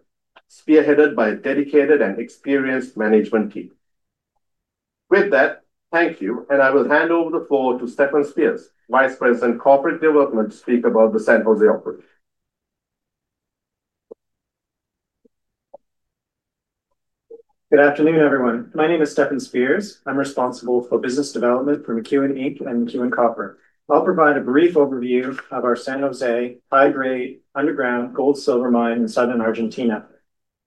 spearheaded by a dedicated and experienced management team. With that, thank you, and I will hand over the floor to Stefan Spears, Vice President, Corporate Development, to speak about the San Jos´´é operation. Good afternoon, everyone. My name is Stefan Spears. I'm responsible for business development for McEwen Inc and McEwen Copper. I'll provide a brief overview of our San Jos´´é high-grade underground gold-silver mine in Southern Argentina,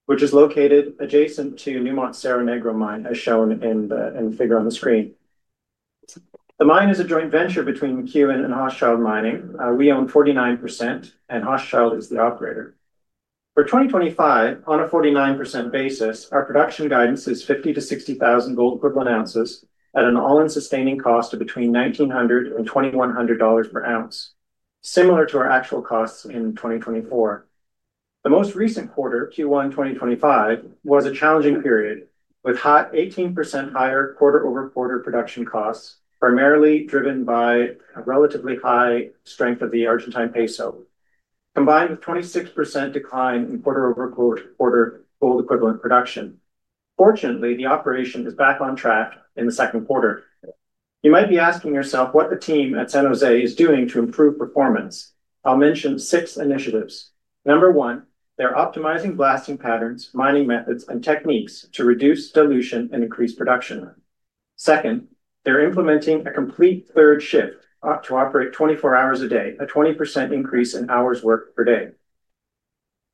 which is located adjacent to Newmont Cerro Negro mine, as shown in the figure on the screen. The mine is a joint venture between McEwen and Hochschild Mining. We own 49%, and Hochschild is the operator. For 2025, on a 49% basis, our production guidance is 50,000-60,000 gold-equivalent ounces at an all-in sustaining cost of between $1,900 and $2,100 per oz, similar to our actual costs in 2024. The most recent quarter, Q1 2025, was a challenging period with 18% higher quarter-over-quarter production costs, primarily driven by a relatively high strength of the Argentine Peso, combined with a 26% decline in quarter-over-quarter gold-equivalent production. Fortunately, the operation is back on track in the second quarter. You might be asking yourself what the team at San Jos´´é is doing to improve performance. I'll mention six initiatives. Number one, they're optimizing blasting patterns, mining methods, and techniques to reduce dilution and increase production. Second, they're implementing a complete third shift to operate 24 hours a day, a 20% increase in hours worked per day.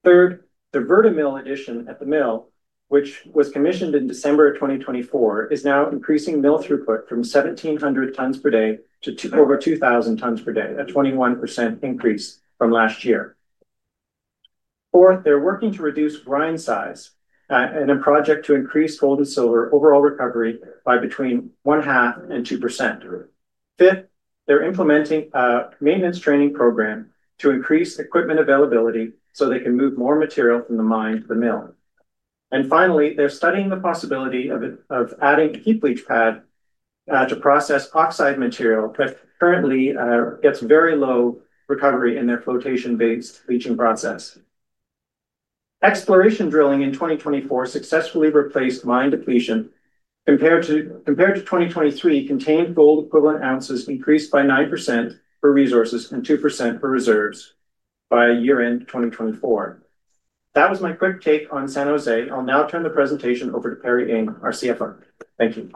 Third, the VertiMill addition at the mill, which was commissioned in December of 2024, is now increasing mill b from 1,700 tons per day to over 2,000 tons per day, a 21% increase from last year. Fourth, they're working to reduce grind size in a project to increase gold and silver overall recovery by between 0.5% and 2%. Fifth, they're implementing a maintenance training program to increase equipment availability so they can move more material from the mine to the mill. Finally, they're studying the possibility of adding a heap leach pad to process oxide material that currently gets very low recovery in their flotation-based leaching process. Exploration drilling in 2024 successfully replaced mine depletion. Compared to 2023, contained gold-equivalent ounces increased by 9% for resources and 2% for reserves by year-end 2024. That was my quick take on San Jos´´é. I'll now turn the presentation over to Perry Ing, our CFO. Thank you.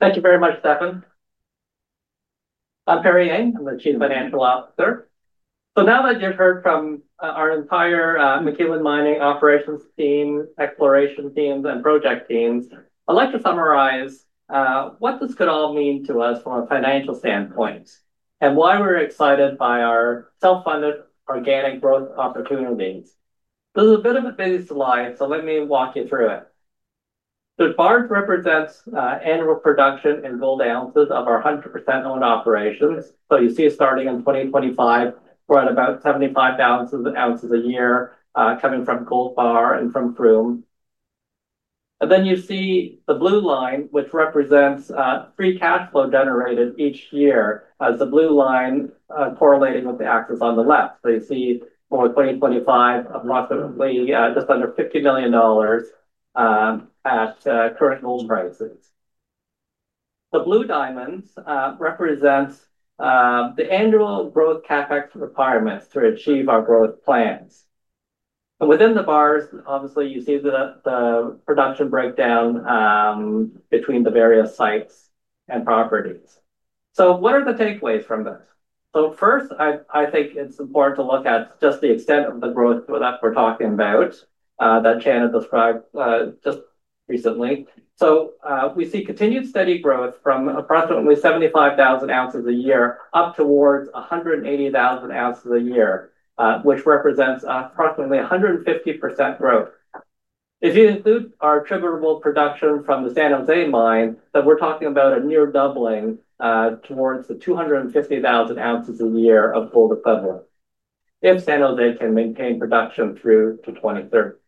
Thank you very much, Stefan. I'm Perry Ing. I'm the Chief Financial Officer. Now that you've heard from our entire McEwen Mining operations team, exploration teams, and project teams, I'd like to summarize what this could all mean to us from a financial standpoint and why we're excited by our self-funded organic growth opportunities. This is a bit of a busy slide, so let me walk you through it. The bar represents annual production in gold ounces of our 100%-owned operations. You see it starting in 2025, we're at about 75,000 oz a year coming from Gold Bar and from Froome. You see the blue line, which represents free cash flow generated each year as the blue line correlating with the axis on the left. You see for 2025, approximately just under $50 million at current gold prices. The blue diamonds represent the annual growth CapEx requirements to achieve our growth plans. Within the bars, obviously, you see the production breakdown between the various sites and properties. What are the takeaways from this? First, I think it's important to look at just the extent of the growth that we're talking about that Channa described just recently. We see continued steady growth from approximately 75,000 oz a year up towards 180,000 oz a year, which represents approximately 150% growth. If you include our [triggerable] production from the San Jos´´é mine, then we're talking about a near doubling towards the 250,000 oz a year of gold-equivalent if San Jos´´é can maintain production through to 2030.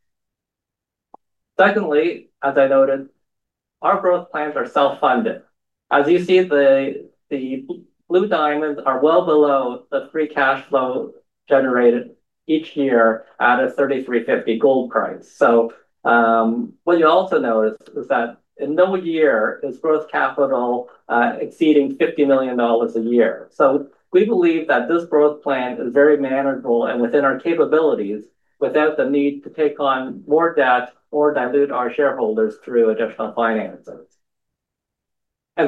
Secondly, as I noted, our growth plans are self-funded. As you see, the blue diamonds are well below the free cash flow generated each year at a $3,350 gold price. What you also notice is that in no year is growth capital exceeding $50 million a year. We believe that this growth plan is very manageable and within our capabilities without the need to take on more debt or dilute our shareholders through additional financing.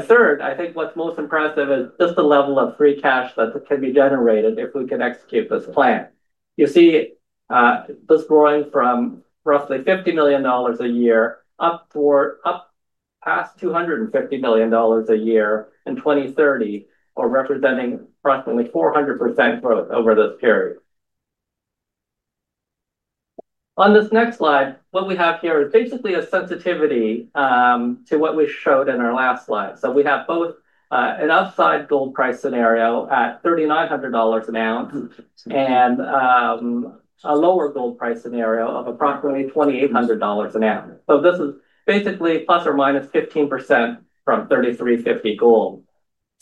Third, I think what's most impressive is just the level of free cash that can be generated if we can execute this plan. You see this growing from roughly $50 million a year up past $250 million a year in 2030, representing approximately 400% growth over this period. On this next slide, what we have here is basically a sensitivity to what we showed in our last slide. We have both an upside gold price scenario at $3,900 an ounce and a lower gold price scenario of approximately $2,800 an ounce. This is basically ±15% from $3,350 gold.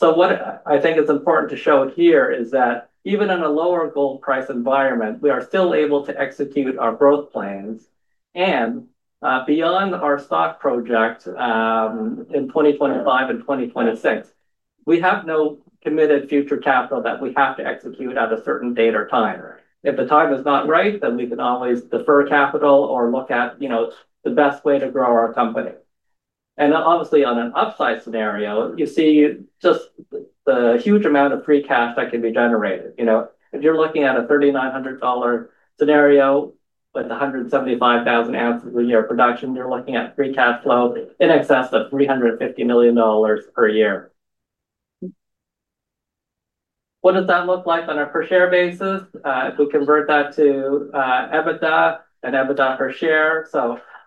What I think is important to show here is that even in a lower gold price environment, we are still able to execute our growth plans. Beyond our Stock project in 2025 and 2026, we have no committed future capital that we have to execute at a certain date or time. If the time is not right, then we can always defer capital or look at the best way to grow our company. Obviously, on an upside scenario, you see just the huge amount of free cash that can be generated. If you're looking at a $3,900 scenario with 175,000 oz a year of production, you're looking at free cash flow in excess of $350 million per year. What does that look like on a per-share basis? If we convert that to EBITDA and EBITDA per share.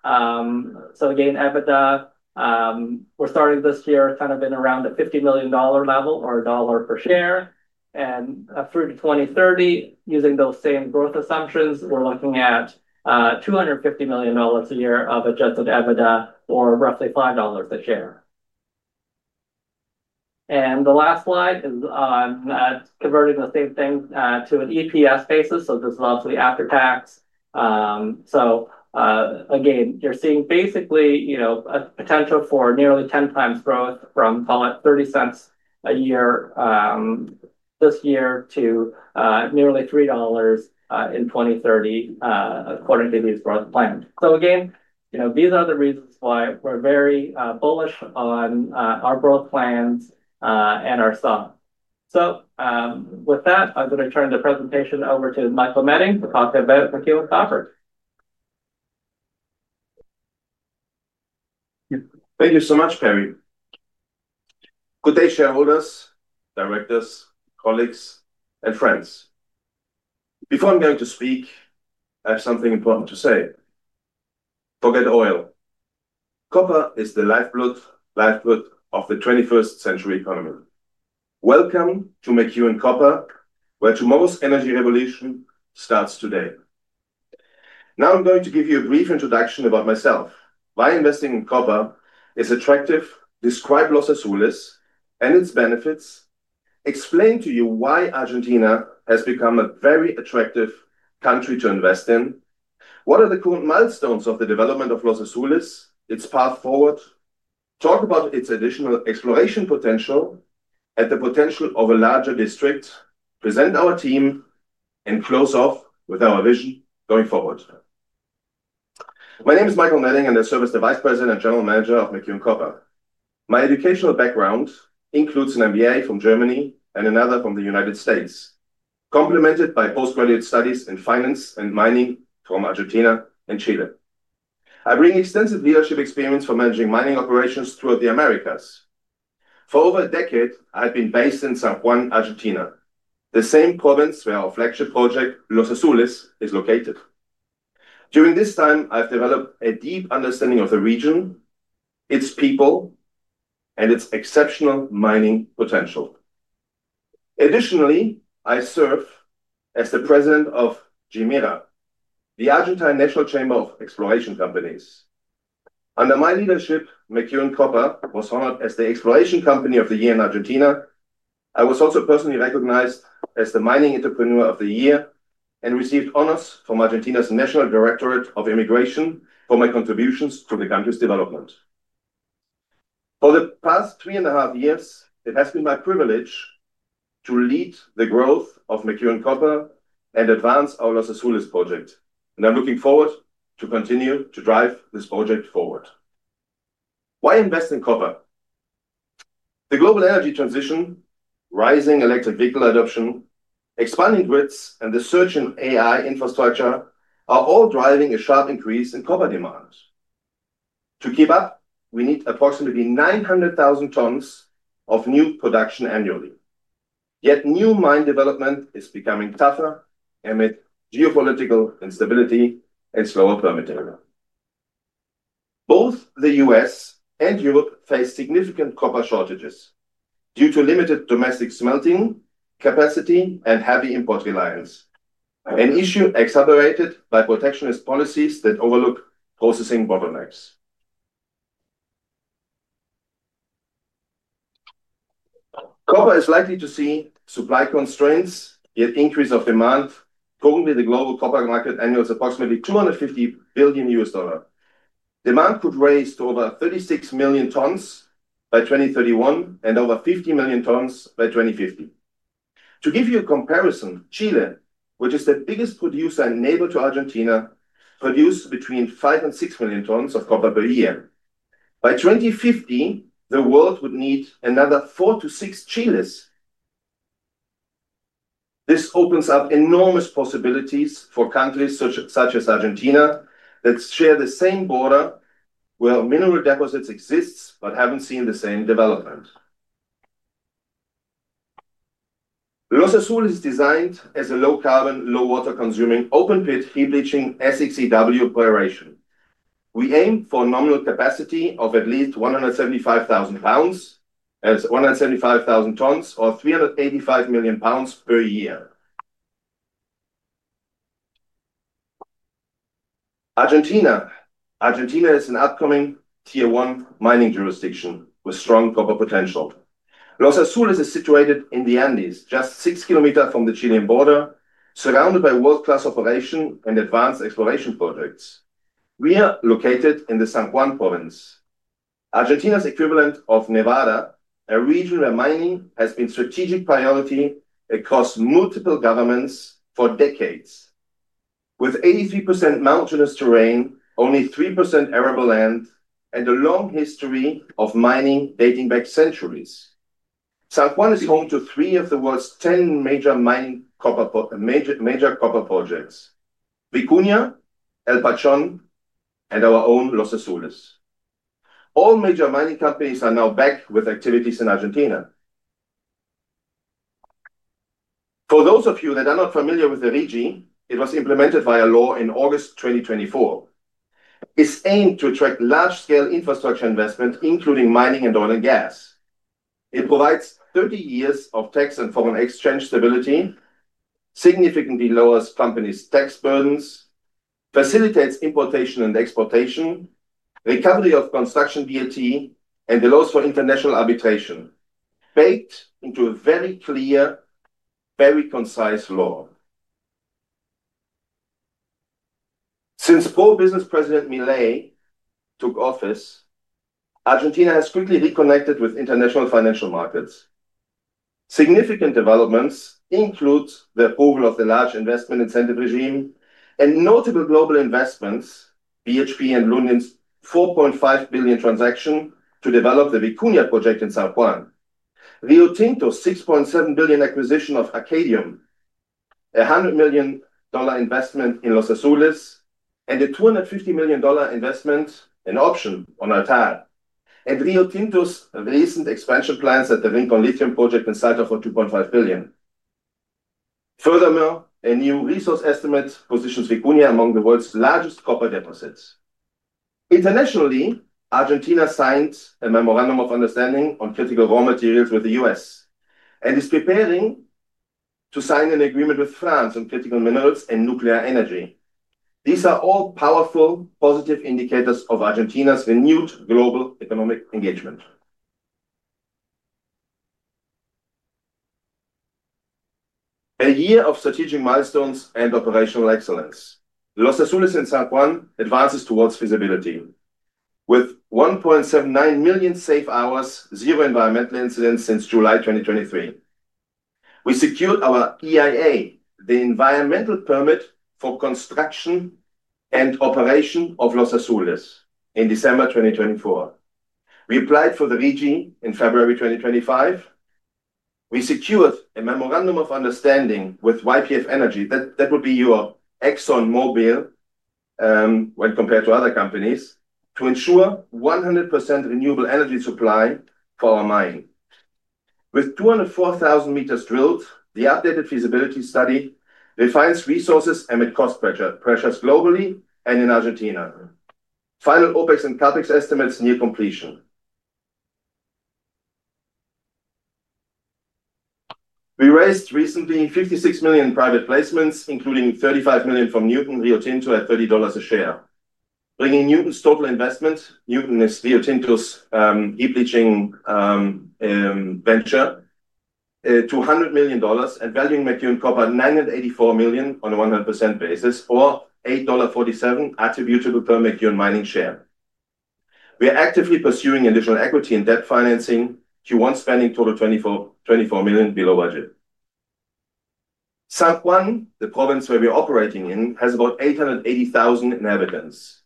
Again, EBITDA, we're starting this year kind of in around a $50-million level or a dollar per share. Through to 2030, using those same growth assumptions, we're looking at $250 million a year of adjusted EBITDA or roughly $5 a share. The last slide is on converting the same thing to an EPS basis. This is obviously after tax. Again, you're seeing basically a potential for nearly 10 times growth from, call it, $0.30 a year this year to nearly $3 in 2030 according to these growth plans. Again, these are the reasons why we're very bullish on our growth plans and our stock. With that, I'm going to turn the presentation over to Michael Meding to talk a bit about McEwen Copper. Thank you so much, Perry. Good day, shareholders, directors, colleagues, and friends. Before I'm going to speak, I have something important to say. Forget oil. Copper is the lifeblood of the 21st-century economy. Welcome to McEwen Copper, where tomorrow's energy revolution starts today. Now I'm going to give you a brief introduction about myself. Why investing in copper is attractive, describe Los Azules and its benefits, explain to you why Argentina has become a very attractive country to invest in, what are the current milestones of the development of Los Azules, its path forward, talk about its additional exploration potential at the potential of a larger district, present our team, and close off with our vision going forward. My name is Michael Meding, and I serve as the Vice President and General Manager of McEwen Copper. My educational background includes an MBA from Germany and another from the United States, complemented by postgraduate studies in finance and mining from Argentina and Chile. I bring extensive leadership experience for managing mining operations throughout the Americas. For over a decade, I have been based in San Juan, Argentina, the same province where our flagship project, Los Azules, is located. During this time, I've developed a deep understanding of the region, its people, and its exceptional mining potential. Additionally, I serve as the President of GEMERA, the Argentine National Chamber of Exploration Companies. Under my leadership, McEwen Copper was honored as the Exploration Company of the Year in Argentina. I was also personally recognized as the Mining Entrepreneur Of The Year and received honors from Argentina's National Directorate of Immigration for my contributions to the country's development. For the past three-and-a-half years, it has been my privilege to lead the growth of McEwen Copper and advance our Los Azules project. I'm looking forward to continue to drive this project forward. Why invest in copper? The global energy transition, rising electric vehicle adoption, expanding grids, and the surge in AI infrastructure are all driving a sharp increase in copper demand. To keep up, we need approximately 900,000 tons of new production annually. Yet new mine development is becoming tougher amid geopolitical instability and slower permitting. Both the U.S. and Europe face significant copper shortages due to limited domestic smelting capacity and heavy import reliance, an issue exaggerated by protectionist policies that overlook processing bottlenecks. Copper is likely to see supply constraints and increase of demand. Currently, the global copper market annual is approximately $250 billion. Demand could rise to over 36 million tons by 2031 and over 50 million tons by 2050. To give you a comparison, Chile, which is the biggest producer and neighbor to Argentina, produces between 5 million and 6 million tons of copper per year. By 2050, the world would need another 4-6 Chiles. This opens up enormous possibilities for countries such as Argentina that share the same border where mineral deposits exist but have not seen the same development. Los Azules is designed as a low-carbon, low-water-consuming open-pit heap-leaching SX/EW operation. We aim for nominal capacity of at least 175,000 tons, or 385 million pounds per year. Argentina is an upcoming tier-one mining jurisdiction with strong copper potential. Los Azules is situated in the Andes, just 6 km from the Chilean border, surrounded by world-class operations and advanced exploration projects. We are located in the San Juan province, Argentina's equivalent of Nevada, a region where mining has been a strategic priority across multiple governments for decades. With 83% mountainous terrain, only 3% arable land, and a long history of mining dating back centuries, San Juan is home to three of the world's 10 major copper projects: Vicuña, El Pachón, and our own Los Azules. All major mining companies are now back with activities in Argentina. For those of you that are not familiar with the RIGI, it was implemented via law in August 2024. It is aimed to attract large-scale infrastructure investment, including mining and oil and gas. It provides 30 years of tax and foreign exchange stability, significantly lowers companies' tax burdens, facilitates importation and exportation, recovery of construction VAT, and the laws for international arbitration, baked into a very clear, very concise law. Since pro-business President Milei took office, Argentina has quickly reconnected with international financial markets. Significant developments include the approval of the large investment incentive regime and notable global investments, BHP and Lundin's $4.5 billion transaction to develop the Vicuña project in San Juan, Rio Tinto's $6.7 billion acquisition of Arcadium, a $100-million investment in Los Azules, and a $250-million investment in option on Altair, and Rio Tinto's recent expansion plans at the Rincón Lithium project in Salta for $2.5 billion. Furthermore, a new resource estimate positions Vicuña among the world's largest copper deposits. Internationally, Argentina signed a memorandum of understanding on critical raw materials with the U.S. and is preparing to sign an agreement with France on critical minerals and nuclear energy. These are all powerful, positive indicators of Argentina's renewed global economic engagement. A year of strategic milestones and operational excellence. Los Azules in San Juan advances towards feasibility with 1.79 million safe hours, zero environmental incidents since July 2023. We secured our EIA, the Environmental Permit for Construction and Operation of Los Azules, in December 2024. We applied for the RIGI in February 2025. We secured a memorandum of understanding with YPF Energy. That would be your ExxonMobil when compared to other companies to ensure 100% renewable energy supply for our mine. With 204,000 meters drilled, the updated feasibility study refines resources amid cost pressures globally and in Argentina. Final OpEx and CapEx estimates near completion. We raised recently $56 million in private placements, including $35 million from Newmont, Rio Tinto at $30 a share, bringing Newmont's, Rio Tinto's heap-leaching venture, to $100 million and valuing McEwen Copper at $984 million on a 100% basis or $8.47 attributable per McEwen Mining share. We are actively pursuing additional equity and debt financing to one spending total of $24 million below budget. San Juan, the province where we're operating in, has about 880,000 inhabitants.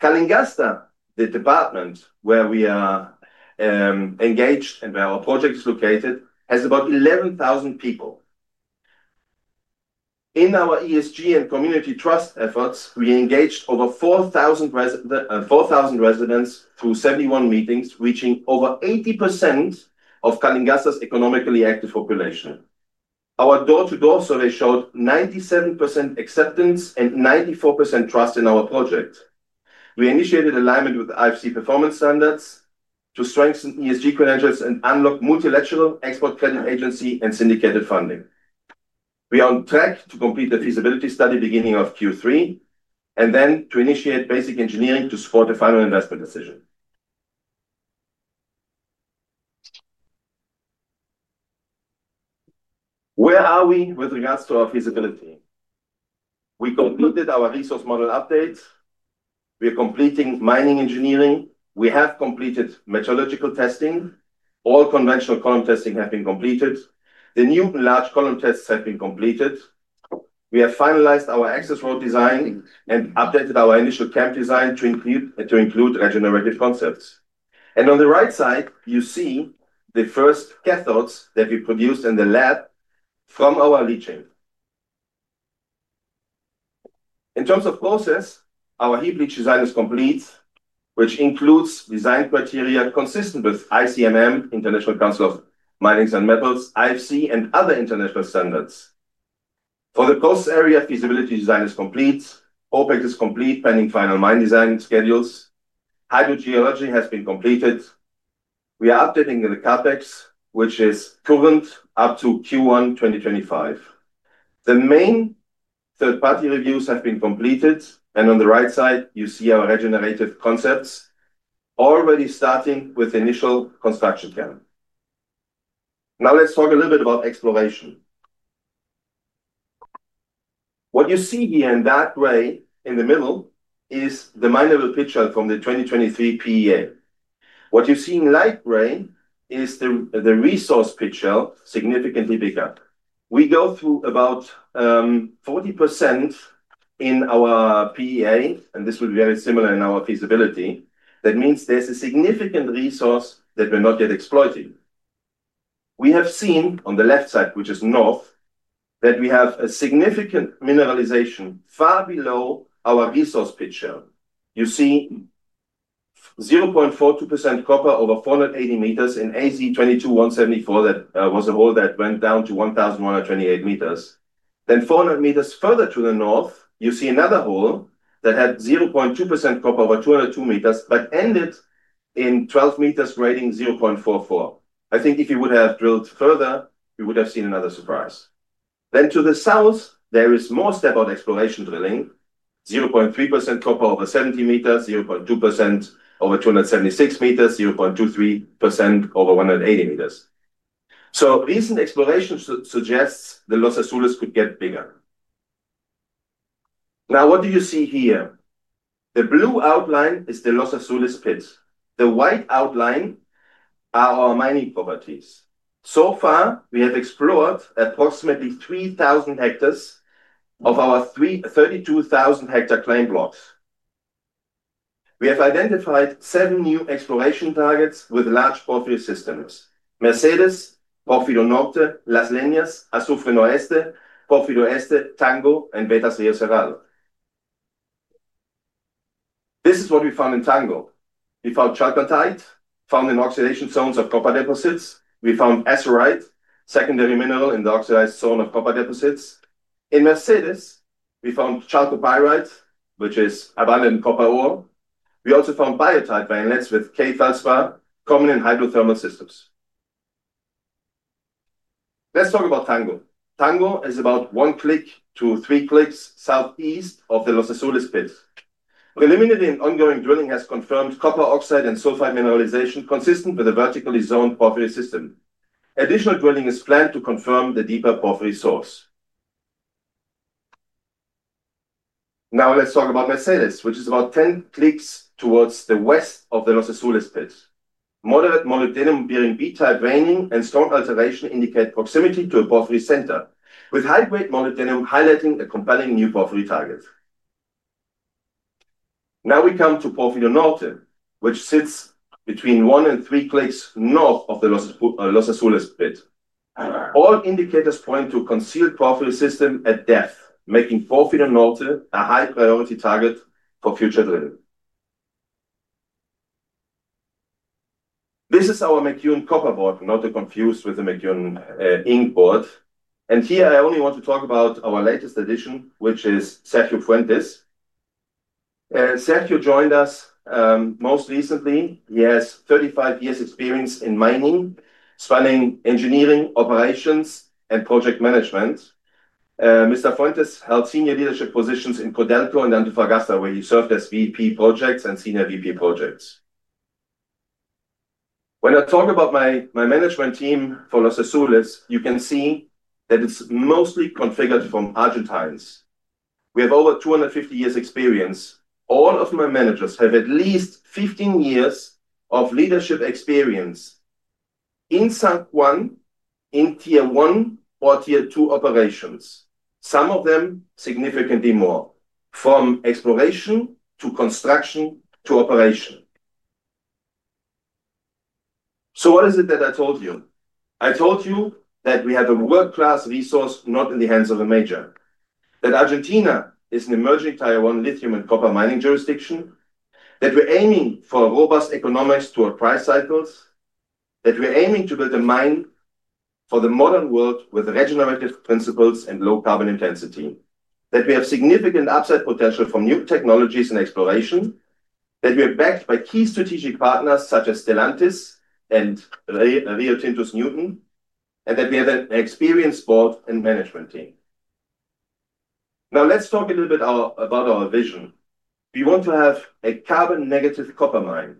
Calingasta, the department where we are engaged and where our project is located, has about 11,000 people. In our ESG and community trust efforts, we engaged over 4,000 residents through 71 meetings, reaching over 80% of Calingasta's economically active population. Our door-to-door survey showed 97% acceptance and 94% trust in our project. We initiated alignment with IFC performance standards to strengthen ESG credentials and unlock multilateral export credit agency and syndicated funding. We are on track to complete the feasibility study beginning of Q3 and then to initiate basic engineering to support the final investment decision. Where are we with regards to our feasibility? We completed our resource model update. We are completing mining engineering. We have completed meteorological testing. All conventional column testing has been completed. The new and large column tests have been completed. We have finalized our access road design and updated our initial camp design to include regenerative concepts. On the right side, you see the first cathodes that we produced in the lab from our leaching. In terms of process, our heap leach design is complete, which includes design criteria consistent with ICMM, International Council of Mining and Metals, IFC, and other international standards. For the coastal area, feasibility design is complete. OpEx is complete, pending final mine design schedules. Hydrogeology has been completed. We are updating the CapEx, which is current up to Q1 2025. The main third-party reviews have been completed. On the right side, you see our regenerative concepts already starting with initial construction camp. Now let's talk a little bit about exploration. What you see here in that grey in the middle is the minable pit shell from the 2023 PEA. What you're seeing in light gray is the resource pit shell significantly bigger. We go through about 40% in our PEA, and this will be very similar in our feasibility. That means there's a significant resource that we're not yet exploiting. We have seen on the left side, which is north, that we have a significant mineralization far below our resource pit shell. You see 0.42% copper over 480 m in AZ-22174. That was a hole that went down to 1,128 m. Then 400 m further to the north, you see another hole that had 0.2% copper over 202 m but ended in 12 m grading 0.44%. I think if you would have drilled further, we would have seen another surprise. To the south, there is more step-out exploration drilling, 0.3% copper over 70 m, 0.2% over 276 m, 0.23% over 180 m. Recent exploration suggests the Los Azules could get bigger. Now, what do you see here? The blue outline is the Los Azules pit. The white outline are our mining properties. So far, we have explored approximately 3,000 hectares of our 32,000-hectare claim blocks. We have identified seven new exploration targets with large porphyry systems: Mercedes, Porphyro Norte, Las Leñas, Azufre Noreste, Porphyro Este, Tango, and Betas Rio Cerrado. This is what we found in Tango. We found chalcocite. We found in oxidation zones of copper deposits. We found azurite, secondary mineral in the oxidized zone of copper deposits. In Mercedes, we found chalcopyrite, which is abundant in copper ore. We also found biotite[bayonets with K-phospha], common in hydrothermal systems. Let's talk about Tango. Tango is about 1 km-3 km southeast of the Los Azules pit. Preliminary and ongoing drilling has confirmed copper oxide and sulfide mineralization consistent with a vertically zoned porphyry system. Additional drilling is planned to confirm the deeper porphyry source. Now, let's talk about Mercedes, which is about 10 km towards the west of the Los Azules pit. Moderate molybdenum-bearing B-type veining and stone alteration indicate proximity to a porphyry center, with high-grade molybdenum highlighting a compelling new porphyry target. Now we come to Porphyro Norte, which sits between 1 km and 3 km north of the Los Azules pit. All indicators point to a concealed porphyry system at depth, making Porphyro Norte a high-priority target for future drilling. This is our McEwen Copper Board, not to confuse with the McEwen Inc Board. Here, I only want to talk about our latest addition, which is Sergio Fuentes. Sergio joined us most recently. He has 35 years' experience in mining, spanning engineering, operations, and project management. Mr. Fuentes held senior leadership positions in Codelco and Antofagasta, where he served as VP of Projects and Senior VP of Projects. When I talk about my management team for Los Azules, you can see that it's mostly configured from Argentines. We have over 250 years' experience. All of my managers have at least 15 years of leadership experience in San Juan in tier-one or tier-two operations, some of them significantly more, from exploration to construction to operation. So what is it that I told you? I told you that we have a world-class resource not in the hands of a major, that Argentina is an [emerging Taiwan] lithium and copper mining jurisdiction, that we're aiming for robust economics toward price cycles, that we're aiming to build a mine for the modern world with regenerative principles and low carbon intensity, that we have significant upside potential for new technologies and exploration, that we are backed by key strategic partners such as Stellantis and Rio Tinto's Newton, and that we have an experienced board and management team. Now, let's talk a little bit about our vision. We want to have a carbon-negative copper mine,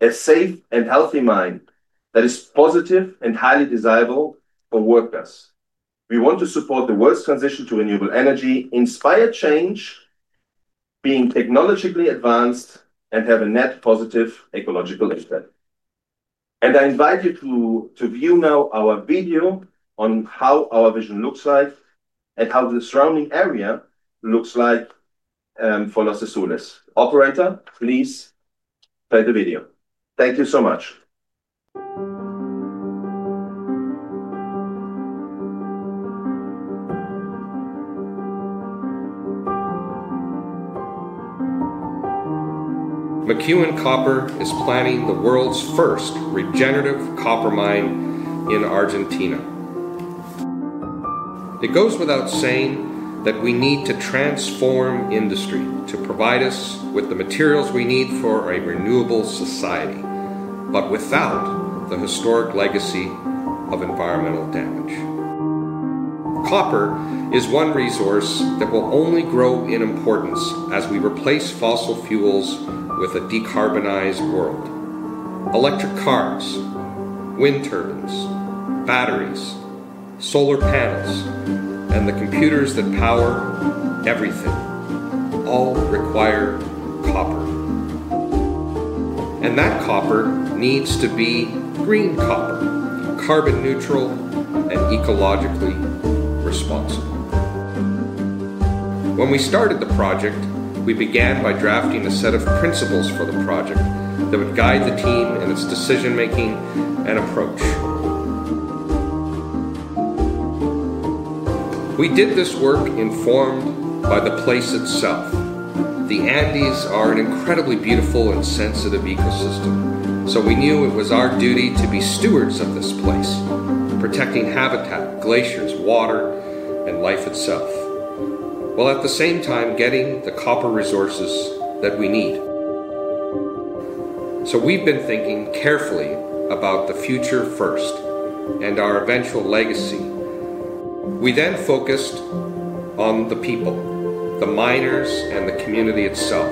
a safe and healthy mine that is positive and highly desirable for workers. We want to support the world's transition to renewable energy, inspire change being technologically advanced, and have a net positive ecological impact. I invite you to view now our video on how our vision looks like and how the surrounding area looks like for Los Azules. Operator, please play the video. Thank you so much. McEwen Copper is planning the world's first regenerative copper mine in Argentina. It goes without saying that we need to transform industry to provide us with the materials we need for a renewable society, but without the historic legacy of environmental damage. Copper is one resource that will only grow in importance as we replace fossil fuels with a decarbonized world. Electric cars, wind turbines, batteries, solar panels, and the computers that power everything all require copper. That copper needs to be green copper, carbon-neutral, and ecologically responsible. When we started the project, we began by drafting a set of principles for the project that would guide the team in its decision-making and approach. We did this work informed by the place itself. The Andes are an incredibly beautiful and sensitive ecosystem, so we knew it was our duty to be stewards of this place, protecting habitat, glaciers, water, and life itself, while at the same time getting the copper resources that we need. We have been thinking carefully about the future first and our eventual legacy. We then focused on the people, the miners, and the community itself.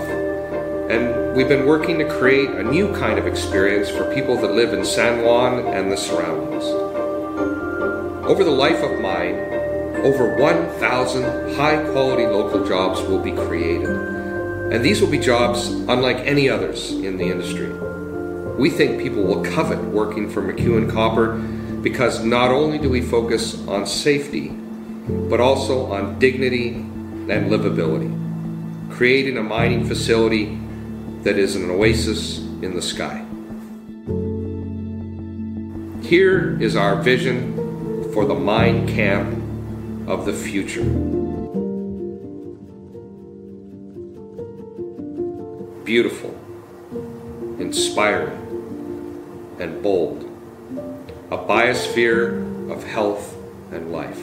We have been working to create a new kind of experience for people that live in San Juan and the surroundings. Over the life of mine, over 1,000 high-quality local jobs will be created, and these will be jobs unlike any others in the industry. We think people will covet working for McEwen Copper because not only do we focus on safety, but also on dignity and livability, creating a mining facility that is an oasis in the sky. Here is our vision for the mine camp of the future: Beautiful, inspiring, and bold, a biosphere of health and life.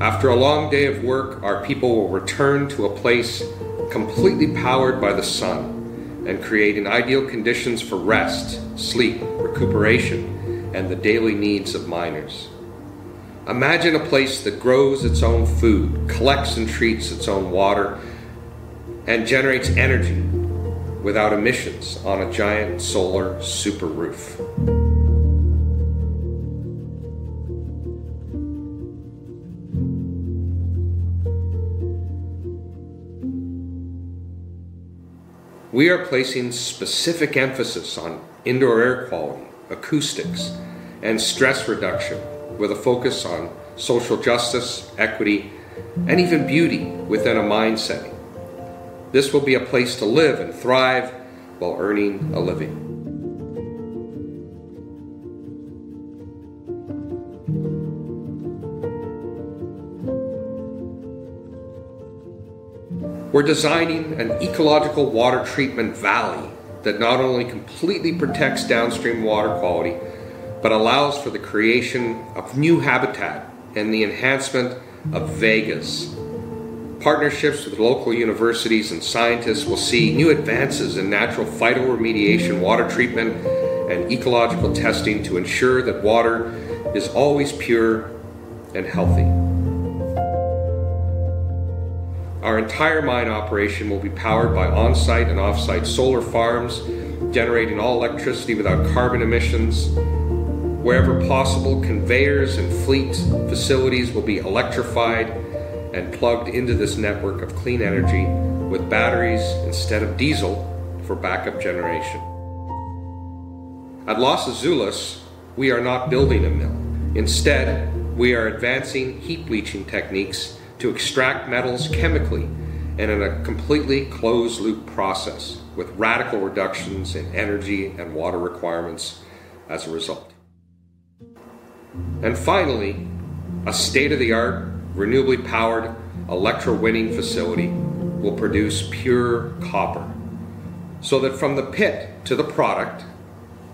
After a long day of work, our people will return to a place completely powered by the sun and create ideal conditions for rest, sleep, recuperation, and the daily needs of miners. Imagine a place that grows its own food, collects and treats its own water, and generates energy without emissions on a giant solar super roof. We are placing specific emphasis on indoor air quality, acoustics, and stress reduction, with a focus on social justice, equity, and even beauty within a mine setting. This will be a place to live and thrive while earning a living. We're designing an ecological water treatment valley that not only completely protects downstream water quality but allows for the creation of new habitat and the enhancement of vagas. Partnerships with local universities and scientists will see new advances in natural phytoremediation water treatment and ecological testing to ensure that water is always pure and healthy. Our entire mine operation will be powered by on-site and off-site solar farms, generating all electricity without carbon emissions. Wherever possible, conveyors and fleet facilities will be electrified and plugged into this network of clean energy with batteries instead of diesel for backup generation. At Los Azules, we are not building a mill. Instead, we are advancing heap-leaching techniques to extract metals chemically and in a completely closed-loop process with radical reductions in energy and water requirements as a result. Finally, a state-of-the-art, renewably powered electro-winning facility will produce pure copper so that from the pit to the product,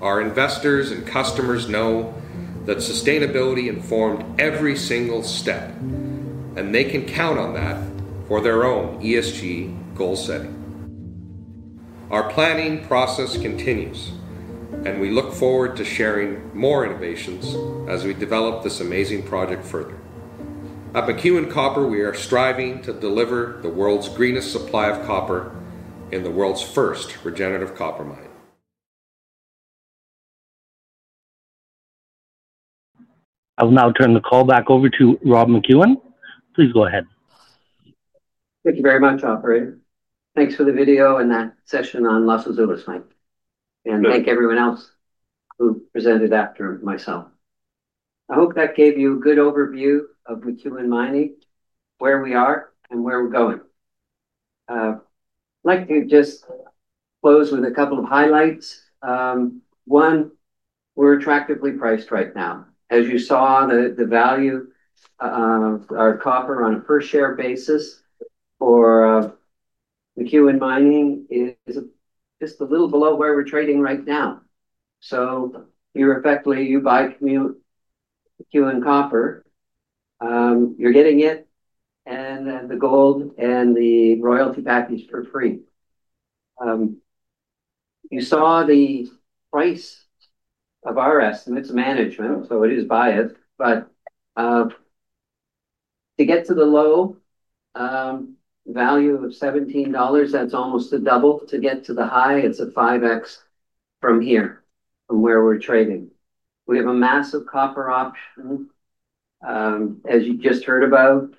our investors and customers know that sustainability informed every single step, and they can count on that for their own ESG goal setting. Our planning process continues, and we look forward to sharing more innovations as we develop this amazing project further. At McEwen Copper, we are striving to deliver the world's greenest supply of copper in the world's first regenerative copper mine. I'll now turn the call back over to Rob McEwen. Please go ahead. Thank you very much, Operator. Thanks for the video and that session on Los Azules mine. Thank everyone else who presented after myself. I hope that gave you a good overview of McEwen Mining, where we are, and where we're going. I'd like to just close with a couple of highlights. One, we're attractively priced right now. As you saw, the value of our copper on a per-share basis for McEwen Mining is just a little below where we're trading right now. You're effectively buying McEwen Copper. You're getting it and the gold and the royalty package for free. You saw the price of our estimates and management, so it is biased. To get to the low value of $17, that's almost a double. To get to the high, it's a 5x from here, from where we're trading. We have a massive copper option, as you just heard about.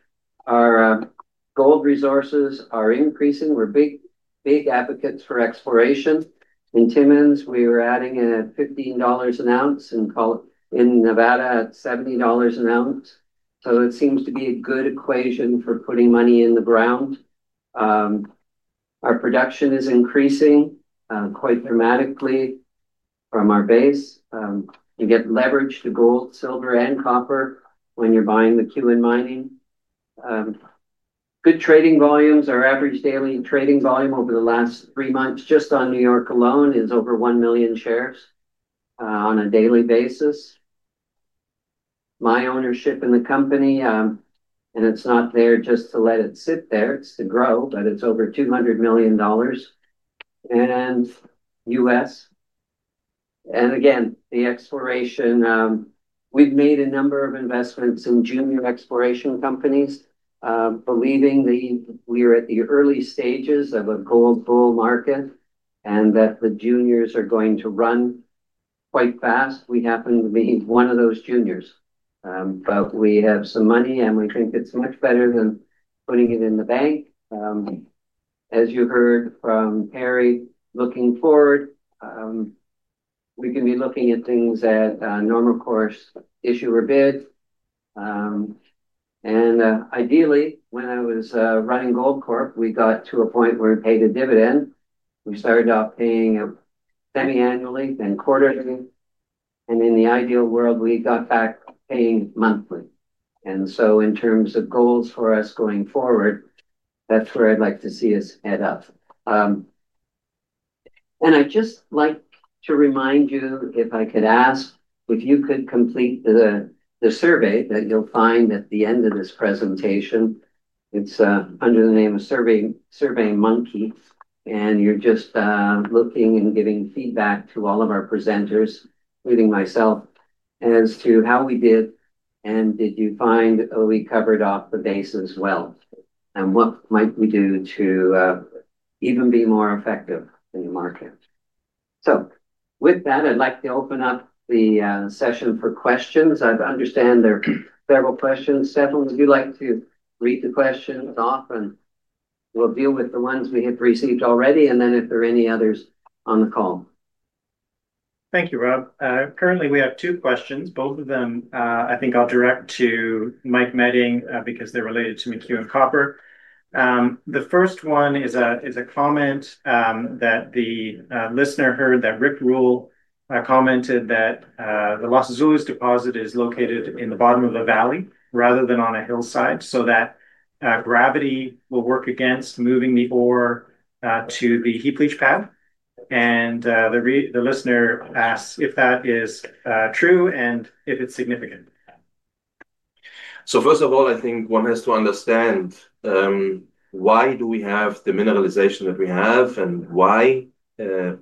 Our gold resources are increasing. We're big, big advocates for exploration. In Timmins, we were adding at $15 an ounce and in Nevada at $70 an ounce. It seems to be a good equation for putting money in the ground. Our production is increasing quite dramatically from our base. You get leverage to gold, silver, and copper when you're buying McEwen Mining. Good trading volumes, our average daily trading volume over the last three months, just on New York alone, is over 1 million shares on a daily basis. My ownership in the company, and it's not there just to let it sit there. It's to grow, but it's over $200 million. Again, the exploration, we've made a number of investments in junior exploration companies, believing that we are at the early stages of a gold bull market and that the juniors are going to run quite fast. We happen to be one of those juniors. We have some money, and we think it's much better than putting it in the bank. As you heard from Perry, looking forward, we can be looking at things at normal course, issue or bid. Ideally, when I was running Gold Corp, we got to a point where it paid a dividend. We started off paying semi-annually, then quarterly. In the ideal world, we got back paying monthly. In terms of goals for us going forward, that's where I'd like to see us head up. I'd just like to remind you, if I could ask, if you could complete the survey that you'll find at the end of this presentation. It's under the name of SurveyMonkey. You're just looking and giving feedback to all of our presenters, including myself, as to how we did and did you find we covered off the base as well and what might we do to even be more effective in the market. With that, I'd like to open up the session for questions. I understand there are several questions. Stephan, would you like to read the questions off and we'll deal with the ones we have received already and then if there are any others on the call. Thank you, Rob. Currently, we have two questions. Both of them, I think I'll direct to Michael Meding because they're related to McEwen Copper. The first one is a comment that the listener heard that Rick Rule commented that the Los Azules deposit is located in the bottom of the valley rather than on a hillside so that gravity will work against moving the ore to the heap leach pad, and the listener asks if that is true and if it's significant. First of all, I think one has to understand why do we have the mineralization that we have and why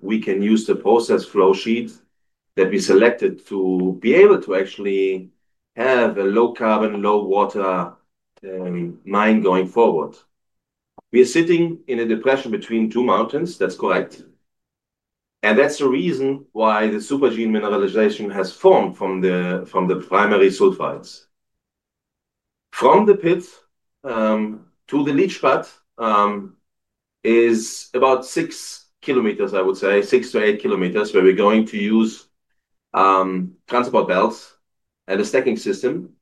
we can use the process flow sheet that we selected to be able to actually have a low carbon, low water mine going forward. We are sitting in a depression between two mountains. That's correct. That's the reason why the super-gene mineralization has formed from the primary sulfides. From the pit to the leach pad is about 6 km, I would say, 6-8 km, where we're going to use transport belts and a stacking system.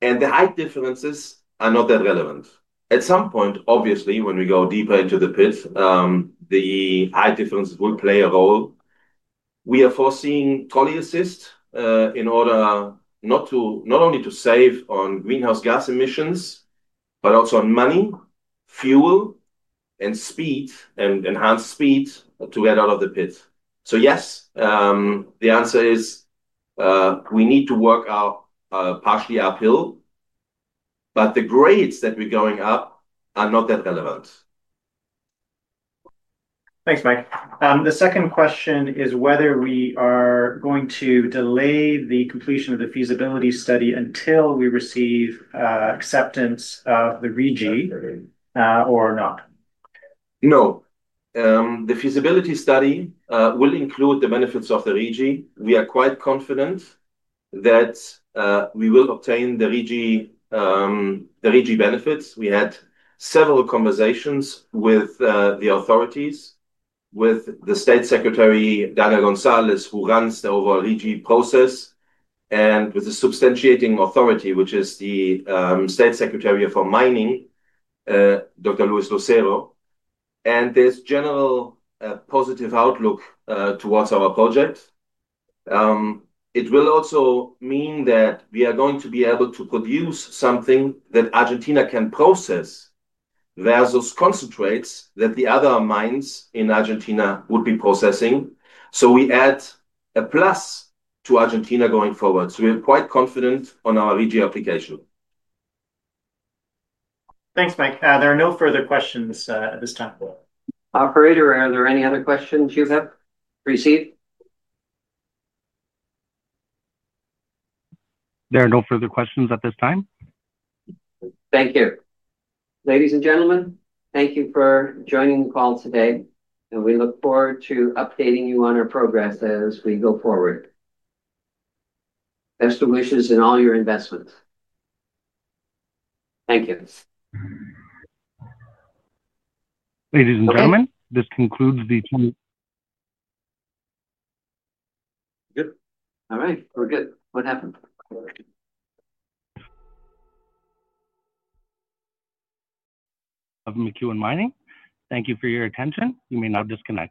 The height differences are not that relevant. At some point, obviously, when we go deeper into the pit, the height differences will play a role. We are foreseeing trolley assist in order not only to save on greenhouse gas emissions, but also on money, fuel, and speed and enhanced speed to get out of the pit. Yes, the answer is we need to work partially uphill, but the grades that we're going up are not that relevant. Thanks, Mike. The second question is whether we are going to delay the completion of the feasibility study until we receive acceptance of the RIGI or not. No. The feasibility study will include the benefits of the RIGI. We are quite confident that we will obtain the RIGI benefits. We had several conversations with the authorities, with the State Secretary, Dana Gonzalez, who runs the overall RIGI process, and with the substantiating authority, which is the State Secretary for Mining, Dr. Luis Lucero. There is general positive outlook towards our project. It will also mean that we are going to be able to produce something that Argentina can process versus concentrates that the other mines in Argentina would be processing. We add a plus to Argentina going forward. We are quite confident on our RIGI application. Thanks, Mike. There are no further questions at this time. Operator, are there any other questions you have received? There are no further questions at this time. Thank you. Ladies and gentlemen, thank you for joining the call today. We look forward to updating you on our progress as we go forward. Best of wishes in all your investments. Thank you. Ladies and gentlemen, this concludes the call. All right. We are good. What happened? Of McEwen Mining. Thank you for your attention. You may now disconnect.